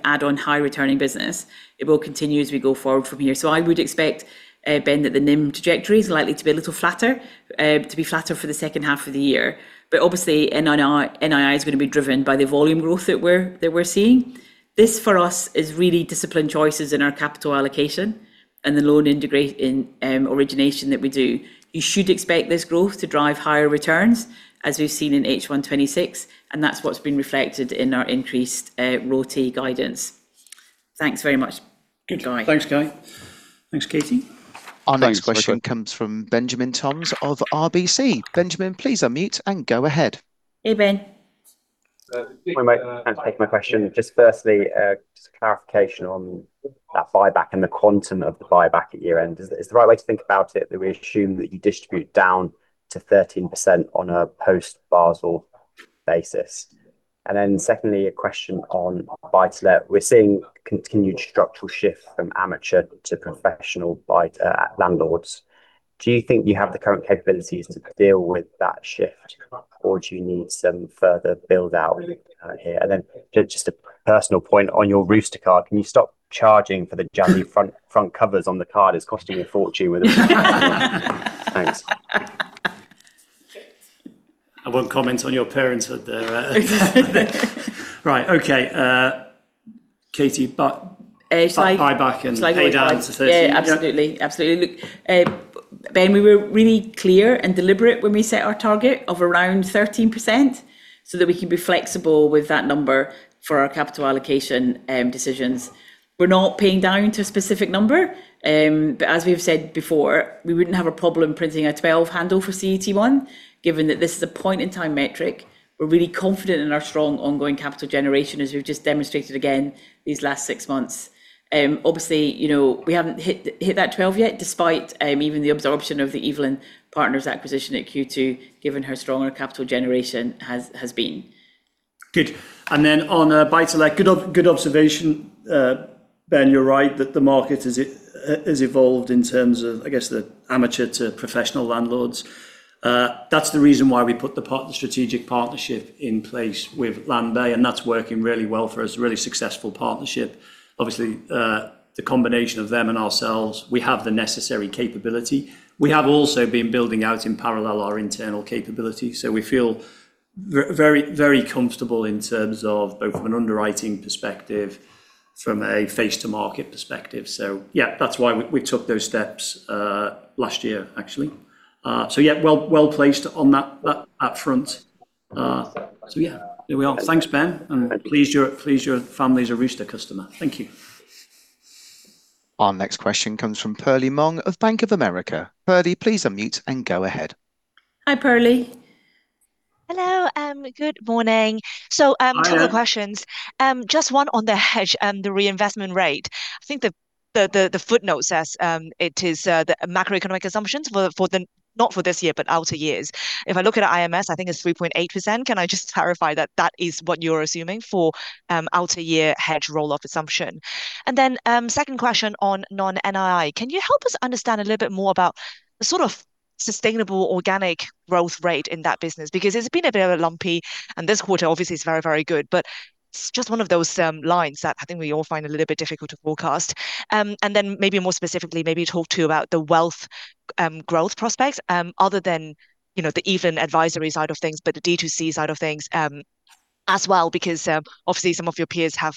add on high returning business, it will continue as we go forward from here. I would expect, Ben, that the NIM trajectory is likely to be a little flatter for the second half of the year. Obviously NII is going to be driven by the volume growth that we're seeing. This, for us, is really disciplined choices in our capital allocation and the loan origination that we do. You should expect this growth to drive higher returns, as we've seen in H1 2026, and that's what's been reflected in our increased ROTE guidance. Thanks very much. Good. Thanks, Guy. Thanks, Katie. Our next question comes from Benjamin Toms of RBC. Benjamin, please unmute and go ahead. Hey, Ben. Hi, mate. Thanks for taking my question. Firstly, a clarification on that buyback and the quantum of the buyback at year-end. Is the right way to think about it that we assume that you distribute down to 13% on a post-Basel basis? Secondly, a question on buy-to-let. We're seeing continued structural shift from amateur to professional landlords. Do you think you have the current capabilities to deal with that shift, or do you need some further build-out here? A personal point, on your Rooster card, can you stop charging for the jammy front covers on the card? It's costing me a fortune with them. Thanks. I won't comment on your pence there. Katie, buyback and pay down to 13%. Absolutely. Look, Ben, we were really clear and deliberate when we set our target of around 13% so that we can be flexible with that number for our capital allocation decisions. We're not paying down to a specific number, but as we've said before, we wouldn't have a problem printing a 12% handle for CET1, given that this is a point-in-time metric. We're really confident in our strong ongoing capital generation, as we've just demonstrated again these last six months. Obviously, we haven't hit that 12% yet, despite even the absorption of the Evelyn Partners acquisition at Q2, given how strong our capital generation has been. On buy-to-let, good observation, Ben. You're right that the market has evolved in terms of, I guess, the amateur to professional landlords. That's the reason why we put the strategic partnership in place with Landbay, and that's working really well for us. A really successful partnership. Obviously, the combination of them and ourselves, we have the necessary capability. We have also been building out in parallel our internal capability. We feel very comfortable in terms of both from an underwriting perspective, from a face to market perspective. That's why we took those steps last year, actually. Well placed on that upfront. There we are. Thanks, Ben, and I'm pleased your family is a Rooster customer. Thank you. Our next question comes from Perlie Mong of Bank of America. Perlie, please unmute and go ahead. Hi, Perlie. Hello, and good morning. Morning. Two questions. Just one on the hedge and the reinvestment rate. I think the footnote says it is the macroeconomic assumptions, not for this year, but outer years. If I look at IMS, I think it's 3.8%. Can I just clarify that that is what you're assuming for outer year hedge roll-off assumption? Second question on non-NII. Can you help us understand a little bit more about the sort of sustainable organic growth rate in that business? Because it's been a bit lumpy, and this quarter obviously is very, very good, but it's just one of those lines that I think we all find a little bit difficult to forecast. Maybe more specifically, maybe talk too about the wealth growth prospects other than the Evelyn advisory side of things, but the D2C side of things as well, because obviously some of your peers have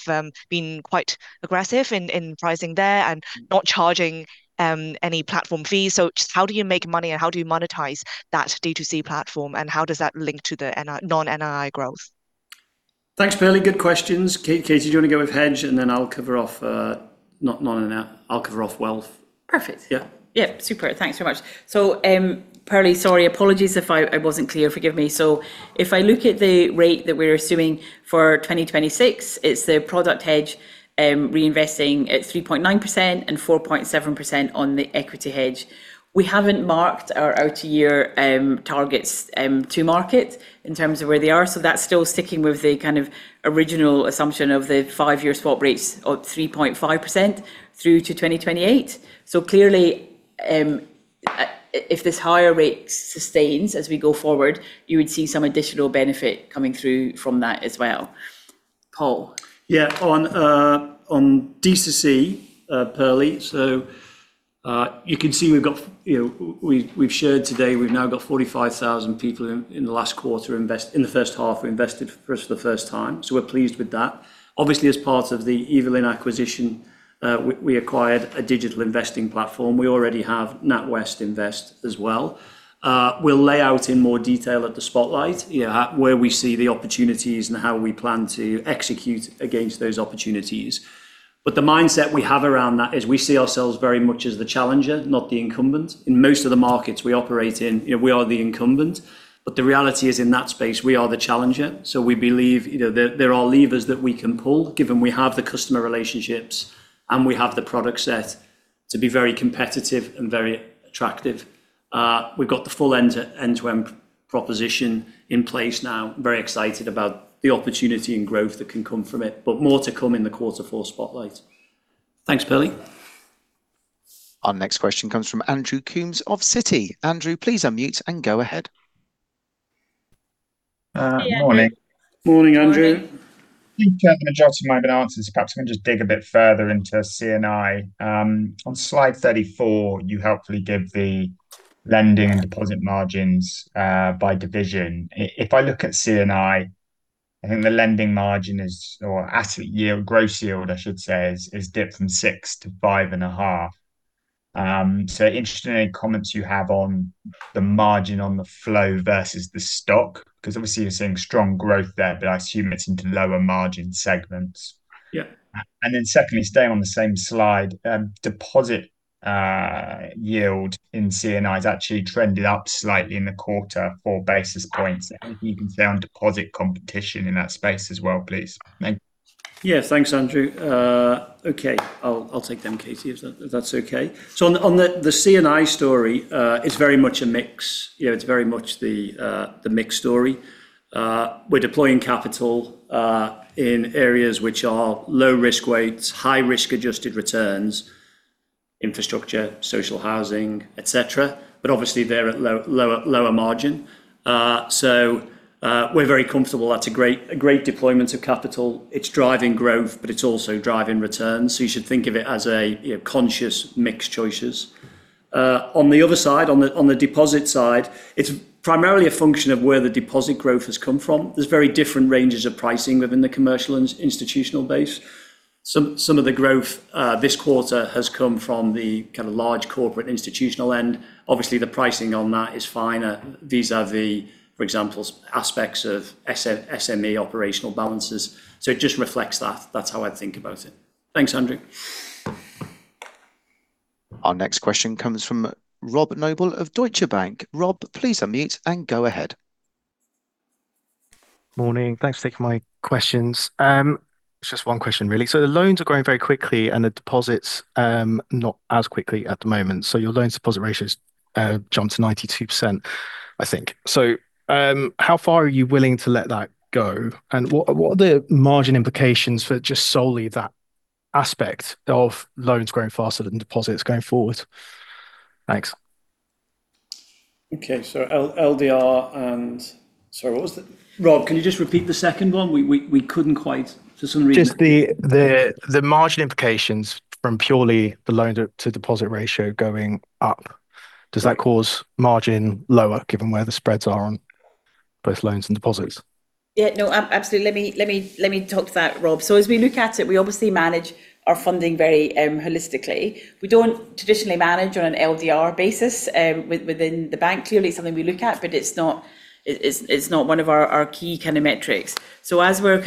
been quite aggressive in pricing there and not charging any platform fees. Just how do you make money and how do you monetize that D2C platform, and how does that link to the non-NII growth? Thanks, Perlie. Good questions. Katie, do you want to go with hedge and then I'll cover off wealth? Perfect. Yeah, super. Thanks very much. Perlie, sorry, apologies if I wasn't clear. Forgive me. If I look at the rate that we're assuming for 2026, it's the product hedge reinvesting at 3.9% and 4.7% on the equity hedge. We haven't marked our outer year targets to market in terms of where they are, so that's still sticking with the kind of original assumption of the five-year swap rates of 3.5% through to 2028. Clearly, if this higher rate sustains as we go forward, you would see some additional benefit coming through from that as well. Paul? On D2C, Perlie, you can see we've shared today we've now got 45,000 people in the first half who invested for the first time. We're pleased with that. Obviously, as part of the Evelyn acquisition, we acquired a digital investing platform. We already have NatWest Invest as well. We'll lay out in more detail at the spotlight where we see the opportunities and how we plan to execute against those opportunities. The mindset we have around that is we see ourselves very much as the challenger, not the incumbent. In most of the markets we operate in, we are the incumbent, but the reality is in that space, we are the challenger. We believe there are levers that we can pull given we have the customer relationships and we have the product set to be very competitive and very attractive. We've got the full end-to-end proposition in place now. Very excited about the opportunity and growth that can come from it, but more to come in the quarter four spotlight. Thanks, Perlie. Our next question comes from Andrew Coombs of Citi. Andrew, please unmute and go ahead. Morning. Morning, Andrew. I think the majority of mine have been answered, perhaps I can just dig a bit further into C&I. On slide 34, you helpfully give the lending and deposit margins by division. If I look at C&I think the lending margin or asset yield, gross yield, I should say, is dipped from six to 5.5. Interested in any comments you have on the margin on the flow versus the stock, because obviously you're seeing strong growth there, but I assume it's into lower margin segments. Yeah. Secondly, staying on the same slide, deposit yield in C&I has actually trended up slightly in the quarter, 4 basis points. Anything you can say on deposit competition in that space as well, please. Thanks. Yeah. Thanks, Andrew. Okay, I'll take them, Katie, if that's okay. On the C&I story, it's very much the mixed story. We're deploying capital in areas which are low risk weights, high risk-adjusted returns, infrastructure, social housing, etc. Obviously they're at lower margin. We're very comfortable that's a great deployment of capital. It's driving growth, but it's also driving returns. You should think of it as a conscious mixed choices. On the other side, on the deposit side, it's primarily a function of where the deposit growth has come from. There's very different ranges of pricing within the commercial and institutional base. Some of the growth this quarter has come from the large corporate institutional end. Obviously, the pricing on that is finer. These are the, for example, aspects of SME operational balances. It just reflects that. That's how I'd think about it. Thanks, Andrew. Our next question comes from Rob Noble of Deutsche Bank. Rob, please unmute and go ahead. Morning, thanks for taking my questions. It's just one question, really. The loans are growing very quickly and the deposits not as quickly at the moment. Your loan-to-deposit ratio has jumped to 92%, I think. How far are you willing to let that go, and what are the margin implications for just solely that aspect of loans growing faster than deposits going forward? Thanks. Okay, LDR and, sorry, what was the Rob, can you just repeat the second one? We couldn't quite, for some reason. Just the margin implications from purely the loan-to-deposit ratio going up. Does that cause margin lower given where the spreads are on both loans and deposits? Yeah. No, absolutely. Let me talk to that, Rob. As we look at it, we obviously manage our funding very holistically. We don't traditionally manage on an LDR basis within the bank. Clearly, it's something we look at, but it's not one of our key metrics. As we're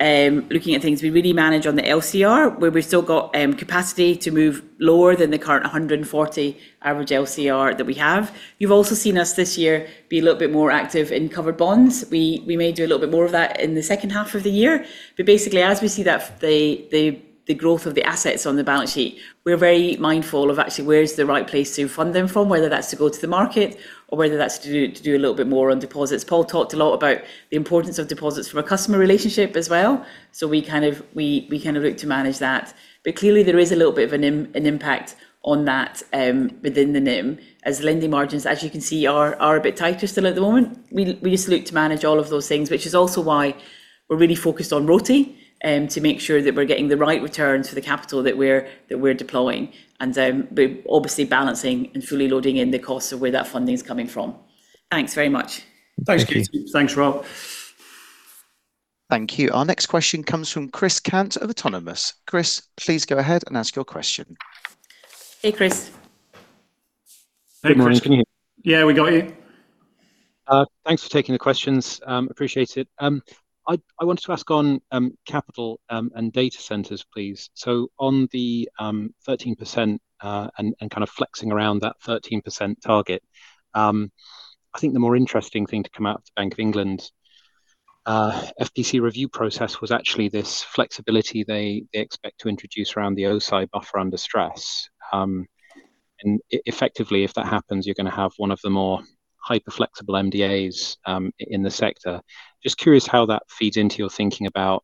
looking at things, we really manage on the LCR, where we've still got capacity to move lower than the current 140 average LCR that we have. You've also seen us this year be a little bit more active in covered bonds. We may do a little bit more of that in the second half of the year. Basically, as we see the growth of the assets on the balance sheet, we're very mindful of actually where is the right place to fund them from, whether that's to go to the market or whether that's to do a little bit more on deposits. Paul talked a lot about the importance of deposits from a customer relationship as well. We look to manage that. Clearly there is a little bit of an impact on that within the NIM, as lending margins, as you can see, are a bit tighter still at the moment. We just look to manage all of those things, which is also why we're really focused on ROTE to make sure that we're getting the right returns for the capital that we're deploying. We're obviously balancing and fully loading in the costs of where that funding is coming from. Thanks very much. Thanks, Katie. Thank you. Thanks, Rob. Thank you. Our next question comes from Chris Cant of Autonomous. Chris, please go ahead and ask your question. Hey, Chris. Good morning. Yeah, we got you. Thanks for taking the questions. Appreciate it. I wanted to ask on capital and data centers, please. On the 13% and flexing around that 13% target, I think the more interesting thing to come out of the Bank of England FPC review process was actually this flexibility they expect to introduce around the O-SII buffer under stress. Effectively, if that happens, you're going to have one of the more hyper-flexible MDAs in the sector. Just curious how that feeds into your thinking about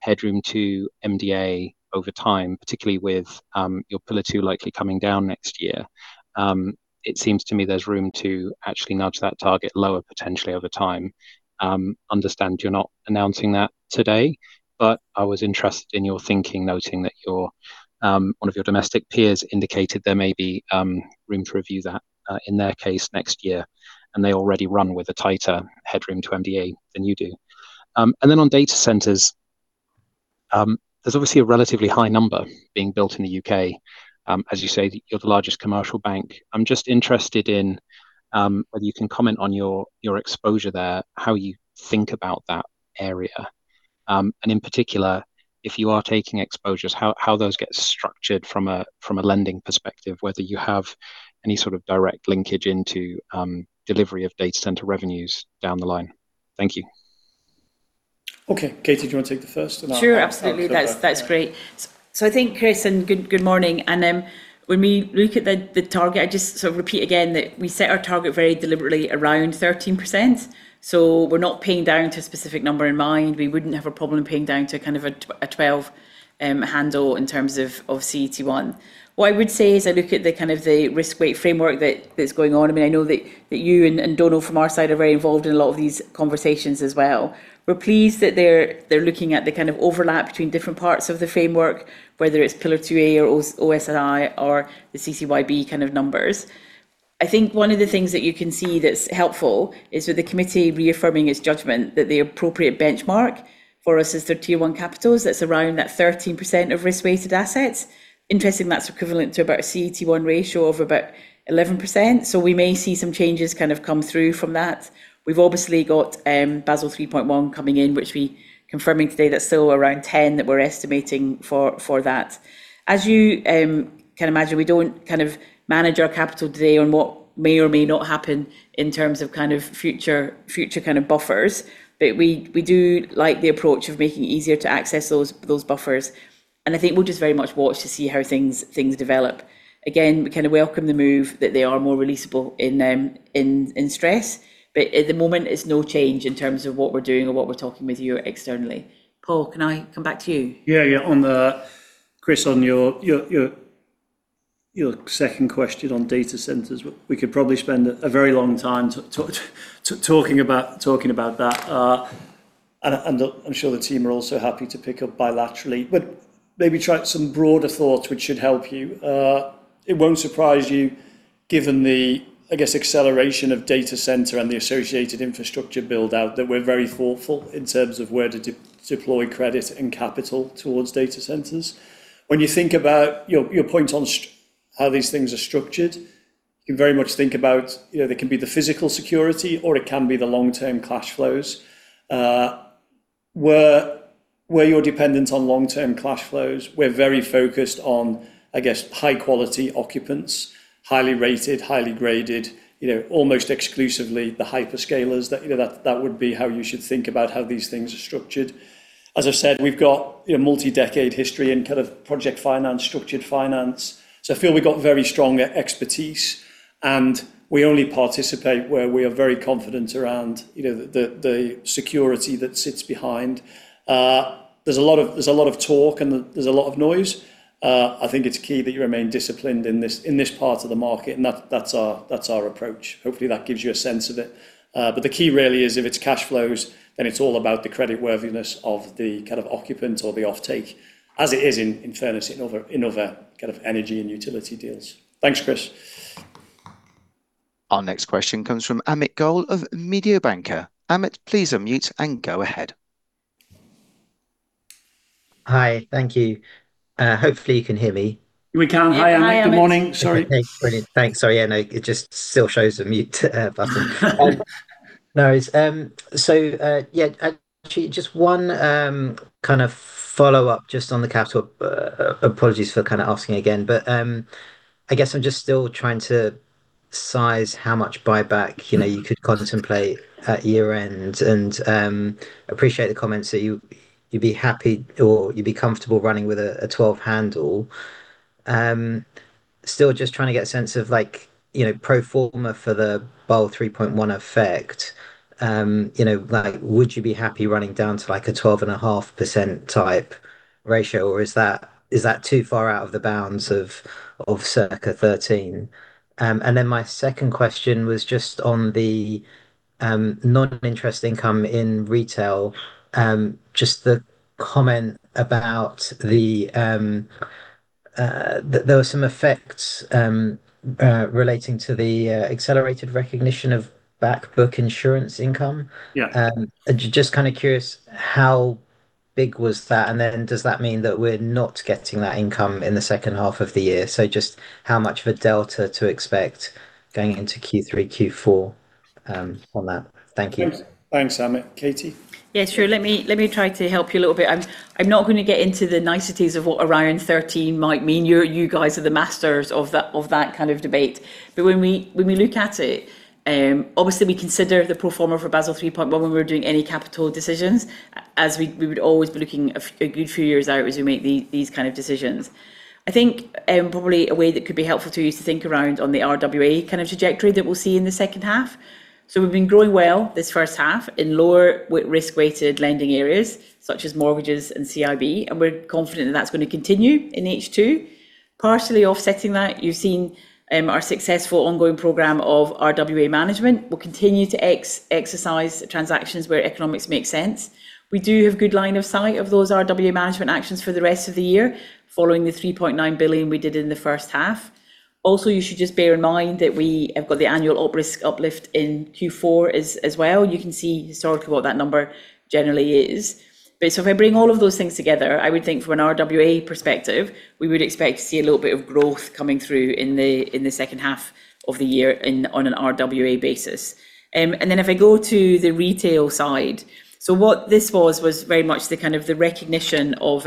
headroom to MDA over time, particularly with your Pillar 2 likely coming down next year. It seems to me there's room to actually nudge that target lower potentially over time. Understand you're not announcing that today, I was interested in your thinking, noting that one of your domestic peers indicated there may be room to review that, in their case, next year, and they already run with a tighter headroom to MDA than you do. On data centers, there's obviously a relatively high number being built in the U.K. As you say, you're the largest commercial bank. I'm just interested in whether you can comment on your exposure there, how you think about that area. In particular, if you are taking exposures, how those get structured from a lending perspective, whether you have any sort of direct linkage into delivery of data center revenues down the line? Thank you. Okay. Katie, do you want to take the first? Sure, absolutely. That's great. I think, Chris, good morning. When we look at the target, I just repeat again that we set our target very deliberately around 13%, so we're not pinning down to a specific number in mind. We wouldn't have a problem pinning down to a 12% handle in terms of CET1. What I would say as I look at the risk weight framework that's going on, I know that you and Donald from our side are very involved in a lot of these conversations as well. We're pleased that they're looking at the overlap between different parts of the framework, whether it's Pillar 2A or O-SII or the CCYB numbers. I think one of the things that you can see that's helpful is with the committee reaffirming its judgment that the appropriate benchmark for us is the Tier 1 capitals. That's around that 13% of risk-weighted assets. Interestingly, that's equivalent to about a CET1 ratio of about 11%, so we may see some changes come through from that. We've obviously got Basel 3.1 coming in, which we confirming today that's still around 10 billion that we're estimating for that. As you can imagine, we don't manage our capital today on what may or may not happen in terms of future buffers. We do like the approach of making it easier to access those buffers, and I think we'll just very much watch to see how things develop. Again, we welcome the move that they are more releasable in stress. At the moment, it's no change in terms of what we're doing or what we're talking with you externally. Paul, can I come back to you? Yeah, on the Chris, on your second question on data centers, we could probably spend a very long time talking about that. I'm sure the team are also happy to pick up bilaterally, but maybe try some broader thoughts, which should help you. It won't surprise you, given the, I guess, acceleration of data center and the associated infrastructure build-out, that we're very thoughtful in terms of where to deploy credit and capital towards data centers. When you think about your point on how these things are structured, you can very much think about, it can be the physical security or it can be the long-term cash flows. Where you're dependent on long-term cash flows, we're very focused on, I guess, high-quality occupants, highly rated, highly graded, almost exclusively the hyperscalers. That would be how you should think about how these things are structured. As I've said, we've got a multi-decade history in project finance, structured finance, so I feel we've got very strong expertise, and we only participate where we are very confident around the security that sits behind. There's a lot of talk, and there's a lot of noise. I think it's key that you remain disciplined in this part of the market, and that's our approach. Hopefully, that gives you a sense of it. The key really is if it's cash flows, then it's all about the creditworthiness of the occupant or the offtake as it is, in fairness, in other energy and utility deals. Thanks, Chris. Our next question comes from Amit Goel of Mediobanca. Amit, please unmute and go ahead. Hi. Thank you. Hopefully you can hear me. We can. Hi, Amit. Hi, Amit. Good morning. Okay. Brilliant. Thanks. Sorry. Yeah, no, it just still shows the mute button. No, it's Yeah, actually, just one follow-up just on the capital. Apologies for asking again, but I guess I'm just still trying to size how much buyback you could contemplate at year-end. Appreciate the comments that you'd be happy or you'd be comfortable running with a 12% handle. Still just trying to get a sense of pro forma for the Basel 3.1 effect. Would you be happy running down to a 12.5% type ratio, or is that too far out of the bounds of circa 13%? My second question was just on the non-interest income in retail, just the comment about There were some effects relating to the accelerated recognition of back book insurance income. Yeah. Just kind of curious, how big was that? Does that mean that we're not getting that income in the second half of the year? Just how much of a delta to expect going into Q3, Q4 on that? Thank you. Yeah. Thanks, Amit. Katie? Yeah, sure. Let me try to help you a little bit. I'm not going to get into the niceties of what around 13% might mean. You guys are the masters of that kind of debate. When we look at it, obviously we consider the pro forma for Basel 3.1 when we're doing any capital decisions, as we would always be looking a good few years out as we make these kind of decisions. I think probably a way that could be helpful to you is to think around on the RWA kind of trajectory that we'll see in the second half. We've been growing well this first half in lower risk-weighted lending areas, such as mortgages and C&I, and we're confident that that's going to continue in H2. Partially offsetting that, you've seen our successful ongoing program of RWA management. We'll continue to exercise transactions where economics make sense. We do have good line of sight of those RWA management actions for the rest of the year, following the 3.9 billion we did in the first half. Also, you should just bear in mind that we have got the annual op risk uplift in Q4 as well. You can see historically what that number generally is. If I bring all of those things together, I would think from an RWA perspective, we would expect to see a little bit of growth coming through in the second half of the year on an RWA basis. If I go to the retail side, what this was very much the recognition of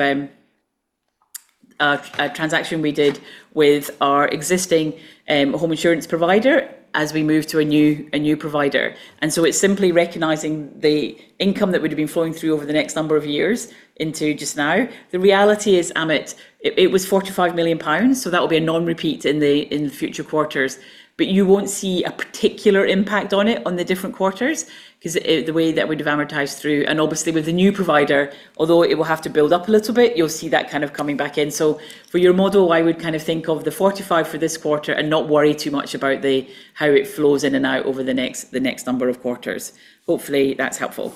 a transaction we did with our existing home insurance provider as we move to a new provider. It's simply recognizing the income that would've been flowing through over the next number of years into just now. The reality is, Amit, it was 45 million pounds, that will be a non-repeat in future quarters, you won't see a particular impact on it on the different quarters because the way that we'd have amortized through. Obviously, with the new provider, although it will have to build up a little bit, you'll see that coming back in. For your model, I would think of the 45 million for this quarter and not worry too much about how it flows in and out over the next number of quarters. Hopefully that's helpful.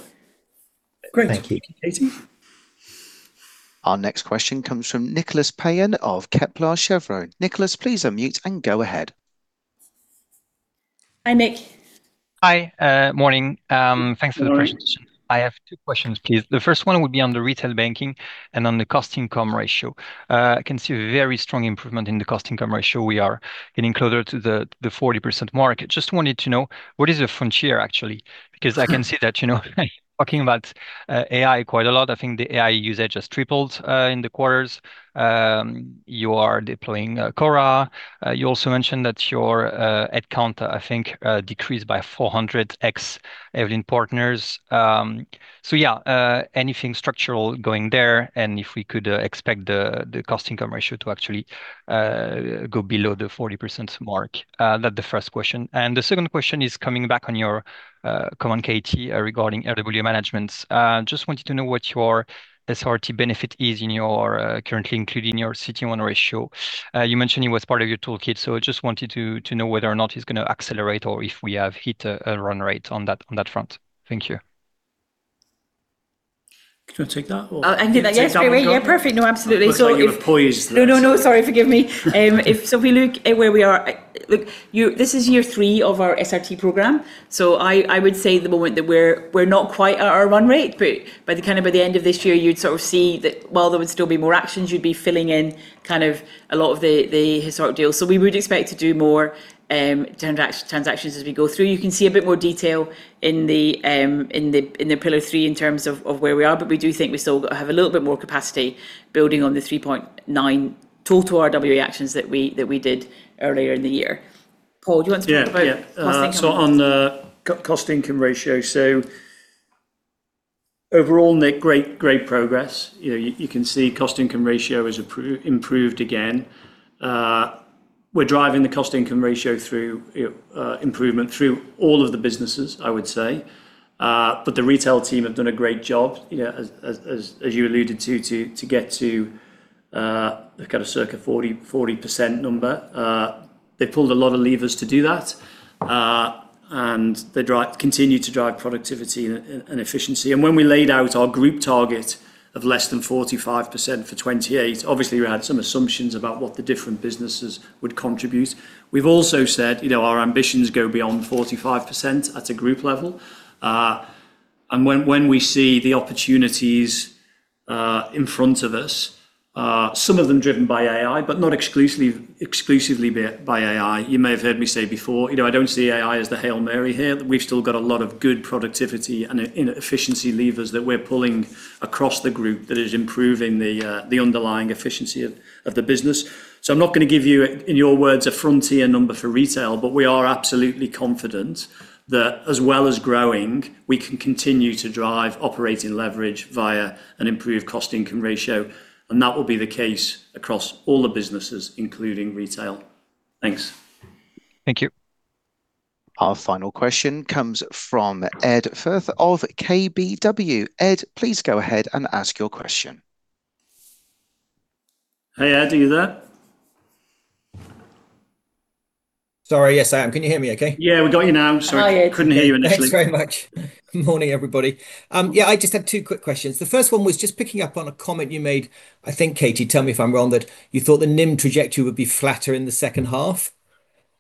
Thank you. Thank you, Katie. Our next question comes from Nicolas Payen of Kepler Cheuvreux. Nicolas, please unmute and go ahead. Hi, Nick. Hi. Morning. Morning. Thanks for the presentation. I have two questions, please. The first one would be on the retail banking and on the cost income ratio. I can see a very strong improvement in the cost income ratio. We are getting closer to the 40% mark. Just wanted to know what is the frontier, actually, because I can see that talking about AI quite a lot, I think the AI usage has tripled in the quarters. You are deploying Cora. You also mentioned that your head count, I think, decreased by 400 ex-Evelyn Partners. Yeah, anything structural going there, and if we could expect the cost income ratio to actually go below the 40% mark. That the first question. The second question is coming back on your comment, Katie, regarding RWA management. Just wanted to know what your SRT benefit is currently included in your CET1 ratio. You mentioned it was part of your toolkit, so I just wanted to know whether or not it's going to accelerate or if we have hit a run rate on that front. Thank you. Do you want to take that, or? I can do that. Yes, absolutely. I thought you had posed that. No. Sorry, forgive me. If we look at where we are, this is year three of our SRT program. I would say at the moment that we're not quite at our run rate, but by the end of this year, you'd sort of see that while there would still be more actions you'd be filling in a lot of the historic deals. We would expect to do more transactions as we go through. You can see a bit more detail in the Pillar 3 in terms of where we are, but we do think we still have a little bit more capacity building on the 3.9 billion total RWA actions that we did earlier in the year. Paul, do you want to talk about cost income ratio? Yeah. On the cost income ratio, overall, Nick, great progress. You can see cost income ratio has improved again. We're driving the cost income ratio through improvement through all of the businesses, I would say. The retail team have done a great job, as you alluded to get to the circa 40% number. They pulled a lot of levers to do that, and they continue to drive productivity and efficiency. When we laid out our group target of less than 45% for 2028, obviously, we had some assumptions about what the different businesses would contribute. We've also said our ambitions go beyond 45% at a group level. When we see the opportunities in front of us, some of them driven by AI, but not exclusively by AI. You may have heard me say before, I don't see AI as the Hail Mary here. We've still got a lot of good productivity and efficiency levers that we're pulling across the group that is improving the underlying efficiency of the business. I'm not going to give you, in your words, a frontier number for retail, but we are absolutely confident that as well as growing, we can continue to drive operating leverage via an improved cost income ratio, and that will be the case across all the businesses, including retail. Thanks. Thank you. Our final question comes from Edward Firth of KBW. Ed, please go ahead and ask your question. Hey, Ed, are you there? Sorry. Yes, I am. Can you hear me okay? Yeah, we got you now. Hi, Ed. Sorry, couldn't hear you initially. Thanks very much. Morning, everybody. I just had two quick questions. The first one was just picking up on a comment you made, I think, Katie, tell me if I'm wrong, that you thought the NIM trajectory would be flatter in the second half.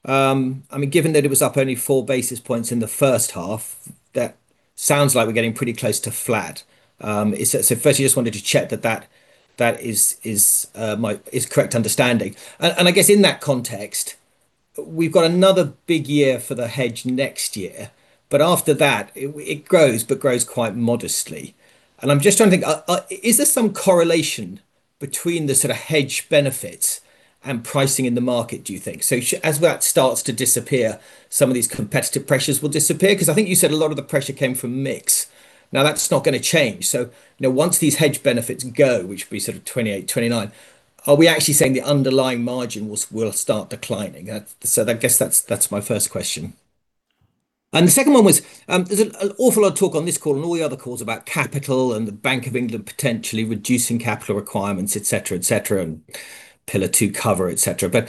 Given that it was up only 4 basis points in the first half, that sounds like we're getting pretty close to flat. Firstly, I just wanted to check that is correct understanding. I guess in that context, we've got another big year for the hedge next year, but after that, it grows, but grows quite modestly. I'm just trying to think, is there some correlation between the sort of hedge benefits and pricing in the market, do you think? As that starts to disappear, some of these competitive pressures will disappear? I think you said a lot of the pressure came from mix. That's not going to change. Now once these hedge benefits go, which will be 2028, 2029, are we actually saying the underlying margin will start declining? I guess that's my first question. The second one was, there's an awful lot of talk on this call and all the other calls about capital and the Bank of England potentially reducing capital requirements, etc, and Pillar 2 cover, etc.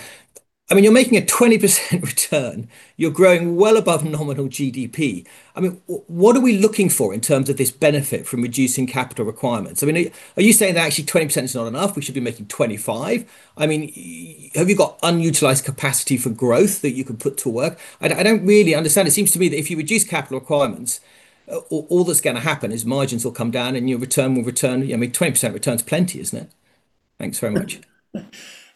You're making a 20% return. You're growing well above nominal GDP. What are we looking for in terms of this benefit from reducing capital requirements? Are you saying that actually 20% is not enough, we should be making 25%? Have you got unutilized capacity for growth that you can put to work? I don't really understand. It seems to me that if you reduce capital requirements, all that's going to happen is margins will come down and your return will return. I mean, 20% return is plenty, isn't it? Thanks very much.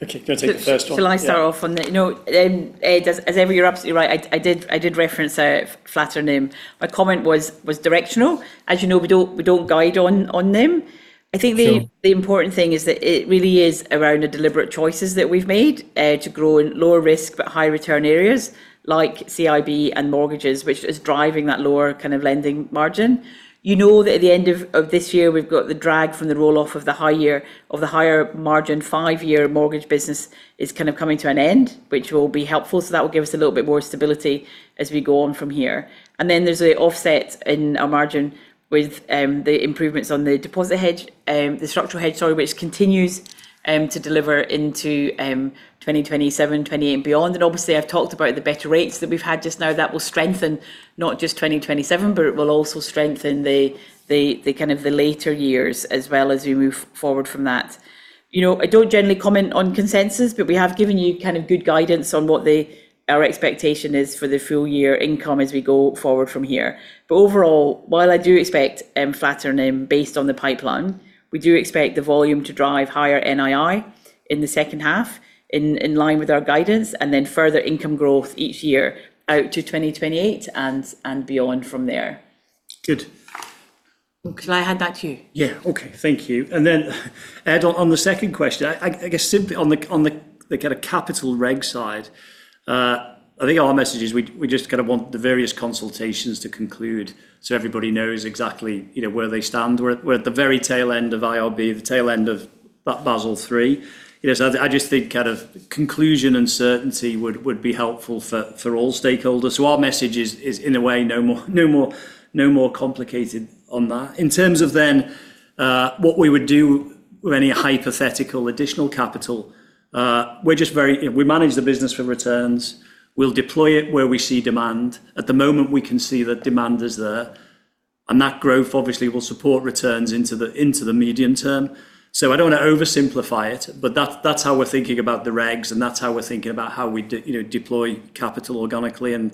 Okay, do you want to take the first one? Shall I start off on that? No. Ed, as ever, you're absolutely right. I did reference a flatter NIM. My comment was directional. As you know, we don't guide on NIM. I think the important thing is that it really is around the deliberate choices that we've made to grow in lower risk but high return areas like CIB and mortgages, which is driving that lower kind of lending margin. You know that at the end of this year, we've got the drag from the roll-off of the higher margin five-year mortgage business is kind of coming to an end, which will be helpful, so that will give us a little bit more stability as we go on from here. Then there's the offset in our margin with the improvements on the structural hedge, which continues to deliver into 2027, 2028 and beyond. Obviously, I've talked about the better rates that we've had just now that will strengthen not just 2027, but it will also strengthen the later years as well as we move forward from that. I don't generally comment on consensus, we have given you good guidance on what our expectation is for the full-year income as we go forward from here. Overall, while I do expect flatter NIM based on the pipeline, we do expect the volume to drive higher NII in the second half in line with our guidance and then further income growth each year out to 2028 and beyond from there. Good. Shall I hand back to you? Yeah. Okay. Thank you. Ed, on the second question, I guess simply on the kind of capital reg side, I think our message is we just kind of want the various consultations to conclude so everybody knows exactly where they stand. We're at the very tail end of IRB, the tail end of Basel III. I just think conclusion and certainty would be helpful for all stakeholders. Our message is, in a way, no more complicated on that. In terms of what we would do with any hypothetical additional capital, we manage the business for returns. We'll deploy it where we see demand. At the moment, we can see that demand is there, and that growth obviously will support returns into the medium term. I don't want to oversimplify it, that's how we're thinking about the regs, that's how we're thinking about how we deploy capital organically,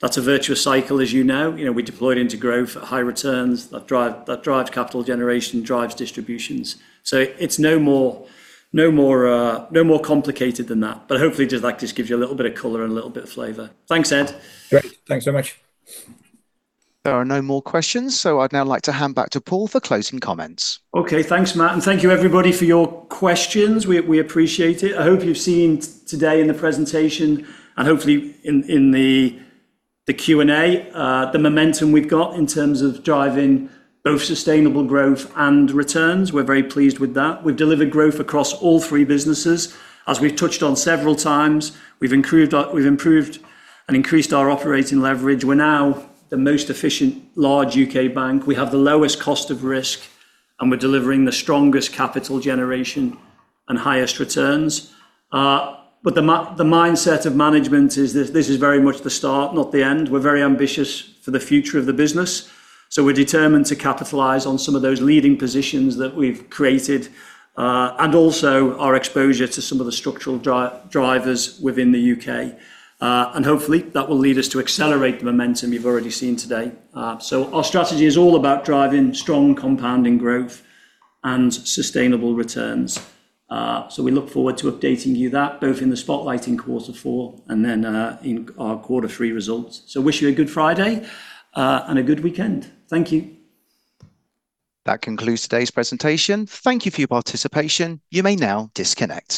that's a virtuous cycle, as you know. We deploy it into growth at high returns. That drives capital generation, drives distributions. It's no more complicated than that. Hopefully that just gives you a little bit of color and a little bit of flavor. Thanks, Ed. Great, thanks so much. There are no more questions. I'd now like to hand back to Paul Thwaite for closing comments. Okay. Thanks, Matt, and thank you, everybody, for your questions. We appreciate it. I hope you've seen today in the presentation, and hopefully in the Q&A, the momentum we've got in terms of driving both sustainable growth and returns. We're very pleased with that. We've delivered growth across all three businesses. As we've touched on several times, we've improved and increased our operating leverage. We're now the most efficient large U.K. bank. We have the lowest cost of risk, and we're delivering the strongest capital generation and highest returns. The mindset of management is this is very much the start, not the end. We're very ambitious for the future of the business. We're determined to capitalize on some of those leading positions that we've created and also our exposure to some of the structural drivers within the U.K. Hopefully, that will lead us to accelerate the momentum you've already seen today. Our strategy is all about driving strong compounding growth and sustainable returns. We look forward to updating you that both in the spotlight in quarter four and then in our quarter three results. Wish you a good Friday and a good weekend. Thank you. That concludes today's presentation. Thank you for your participation. You may now disconnect.